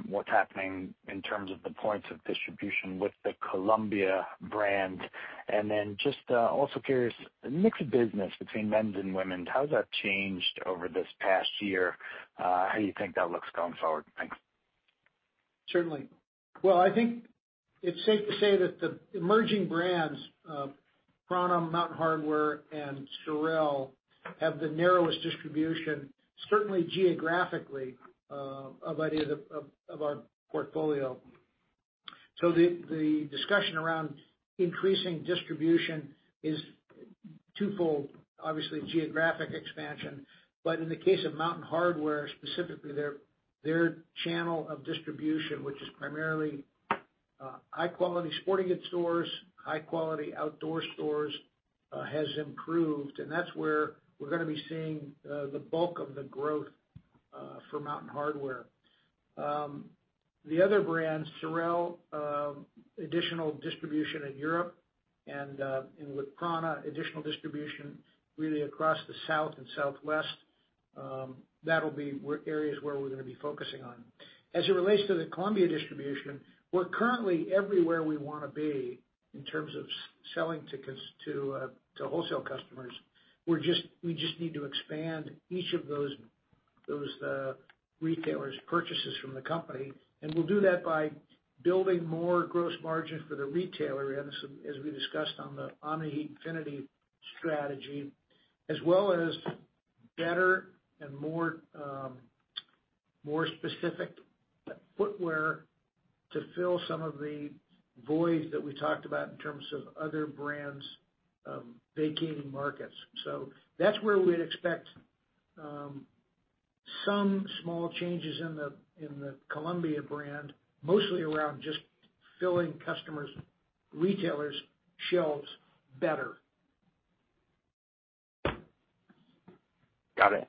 what's happening in terms of the points of distribution with the Columbia brand, and then just also curious, mix of business between men's and women's, how has that changed over this past year? How do you think that looks going forward? Thanks. Certainly. Well, I think it's safe to say that the emerging brands, Prana, Mountain Hardwear, and SOREL, have the narrowest distribution, certainly geographically, of our portfolio. The discussion around increasing distribution is twofold. Obviously geographic expansion. In the case of Mountain Hardwear, specifically, their channel of distribution, which is primarily high quality sporting goods stores, high quality outdoor stores, has improved. That's where we're going to be seeing the bulk of the growth for Mountain Hardwear. The other brands, SOREL, additional distribution in Europe and with Prana, additional distribution really across the South and Southwest. That'll be areas where we're going to be focusing on. As it relates to the Columbia distribution, we're currently everywhere we want to be in terms of selling to wholesale customers. We just need to expand each of those retailers' purchases from the company. We'll do that by building more gross margin for the retailer, as we discussed on the Omni-Heat Infinity strategy, as well as better and more specific footwear to fill some of the voids that we talked about in terms of other brands vacating markets. That's where we'd expect some small changes in the Columbia brand, mostly around just filling retailers' shelves better. Got it.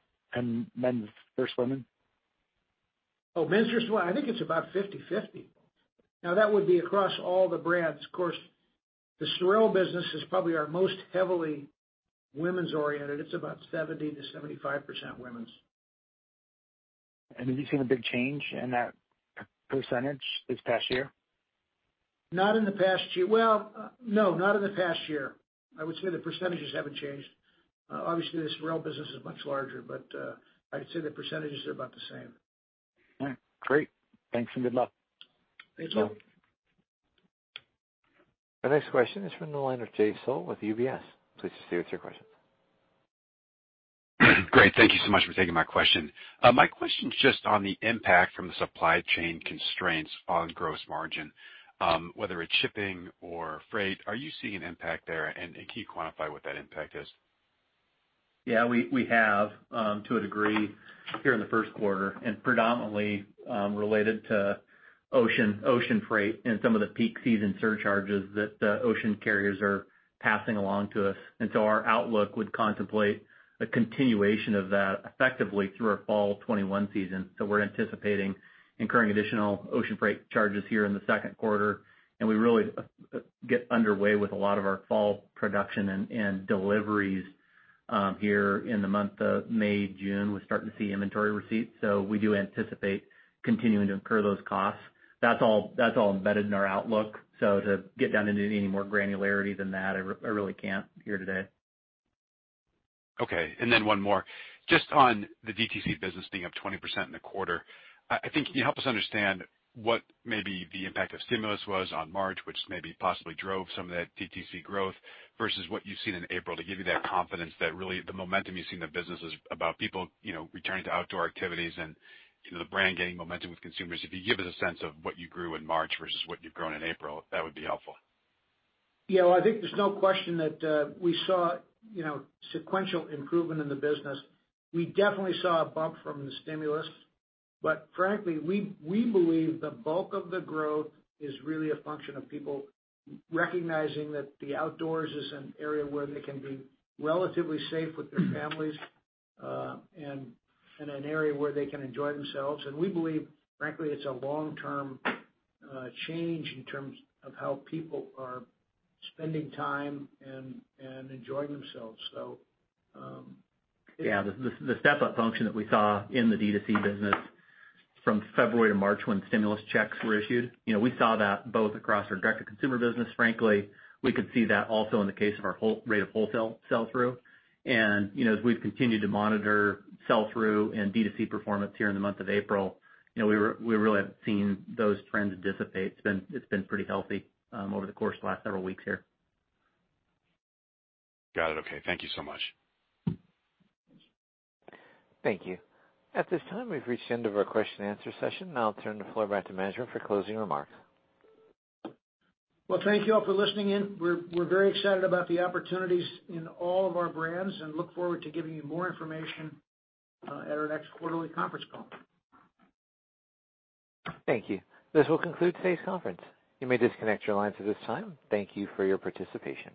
Men's versus women? Oh, men's versus women. I think it's about 50/50. That would be across all the brands. Of course, the SOREL business is probably our most heavily women's oriented. It's about 70%-75% women's. Have you seen a big change in that percentage this past year? Well, no, not in the past year. I would say the percentages haven't changed. Obviously, the SOREL business is much larger, but I'd say the percentages are about the same. All right. Great. Thanks and good luck. Thanks, Will. Our next question is from the line of Jay Sole with UBS. Please state what's your question. Great. Thank you so much for taking my question. My question is just on the impact from the supply chain constraints on gross margin. Whether it's shipping or freight, are you seeing an impact there, and can you quantify what that impact is? Yeah. We have, to a degree, here in the first quarter, predominantly related to ocean freight and some of the peak season surcharges that ocean carriers are passing along to us. Our outlook would contemplate a continuation of that effectively through our fall 2021 season. We're anticipating incurring additional ocean freight charges here in the second quarter, and we really get underway with a lot of our fall production and deliveries here in the month of May, June. We're starting to see inventory receipts. We do anticipate continuing to incur those costs. That's all embedded in our outlook. To get down into any more granularity than that, I really can't here today. Okay. Then one more. Just on the DTC business being up 20% in the quarter, I think can you help us understand what maybe the impact of stimulus was on March, which maybe possibly drove some of that DTC growth, versus what you've seen in April to give you that confidence that really the momentum you've seen in the business is about people returning to outdoor activities and the brand gaining momentum with consumers. If you give us a sense of what you grew in March versus what you've grown in April, that would be helpful. Yeah. Well, I think there's no question that we saw sequential improvement in the business. We definitely saw a bump from the stimulus. Frankly, we believe the bulk of the growth is really a function of people recognizing that the outdoors is an area where they can be relatively safe with their families and an area where they can enjoy themselves. We believe, frankly, it's a long-term change in terms of how people are spending time and enjoying themselves. Yeah, the step up function that we saw in the D2C business from February to March when stimulus checks were issued, we saw that both across our direct to consumer business, frankly. We could see that also in the case of our rate of wholesale sell-through. As we've continued to monitor sell-through and D2C performance here in the month of April, we really haven't seen those trends dissipate. It's been pretty healthy over the course of the last several weeks here. Got it. Okay. Thank you so much. Thank you. At this time, we've reached the end of our question and answer session. Now I'll turn the floor back to management for closing remarks. Thank you all for listening in. We're very excited about the opportunities in all of our brands and look forward to giving you more information at our next quarterly conference call. Thank you. This will conclude today's conference. You may disconnect your lines at this time. Thank you for your participation.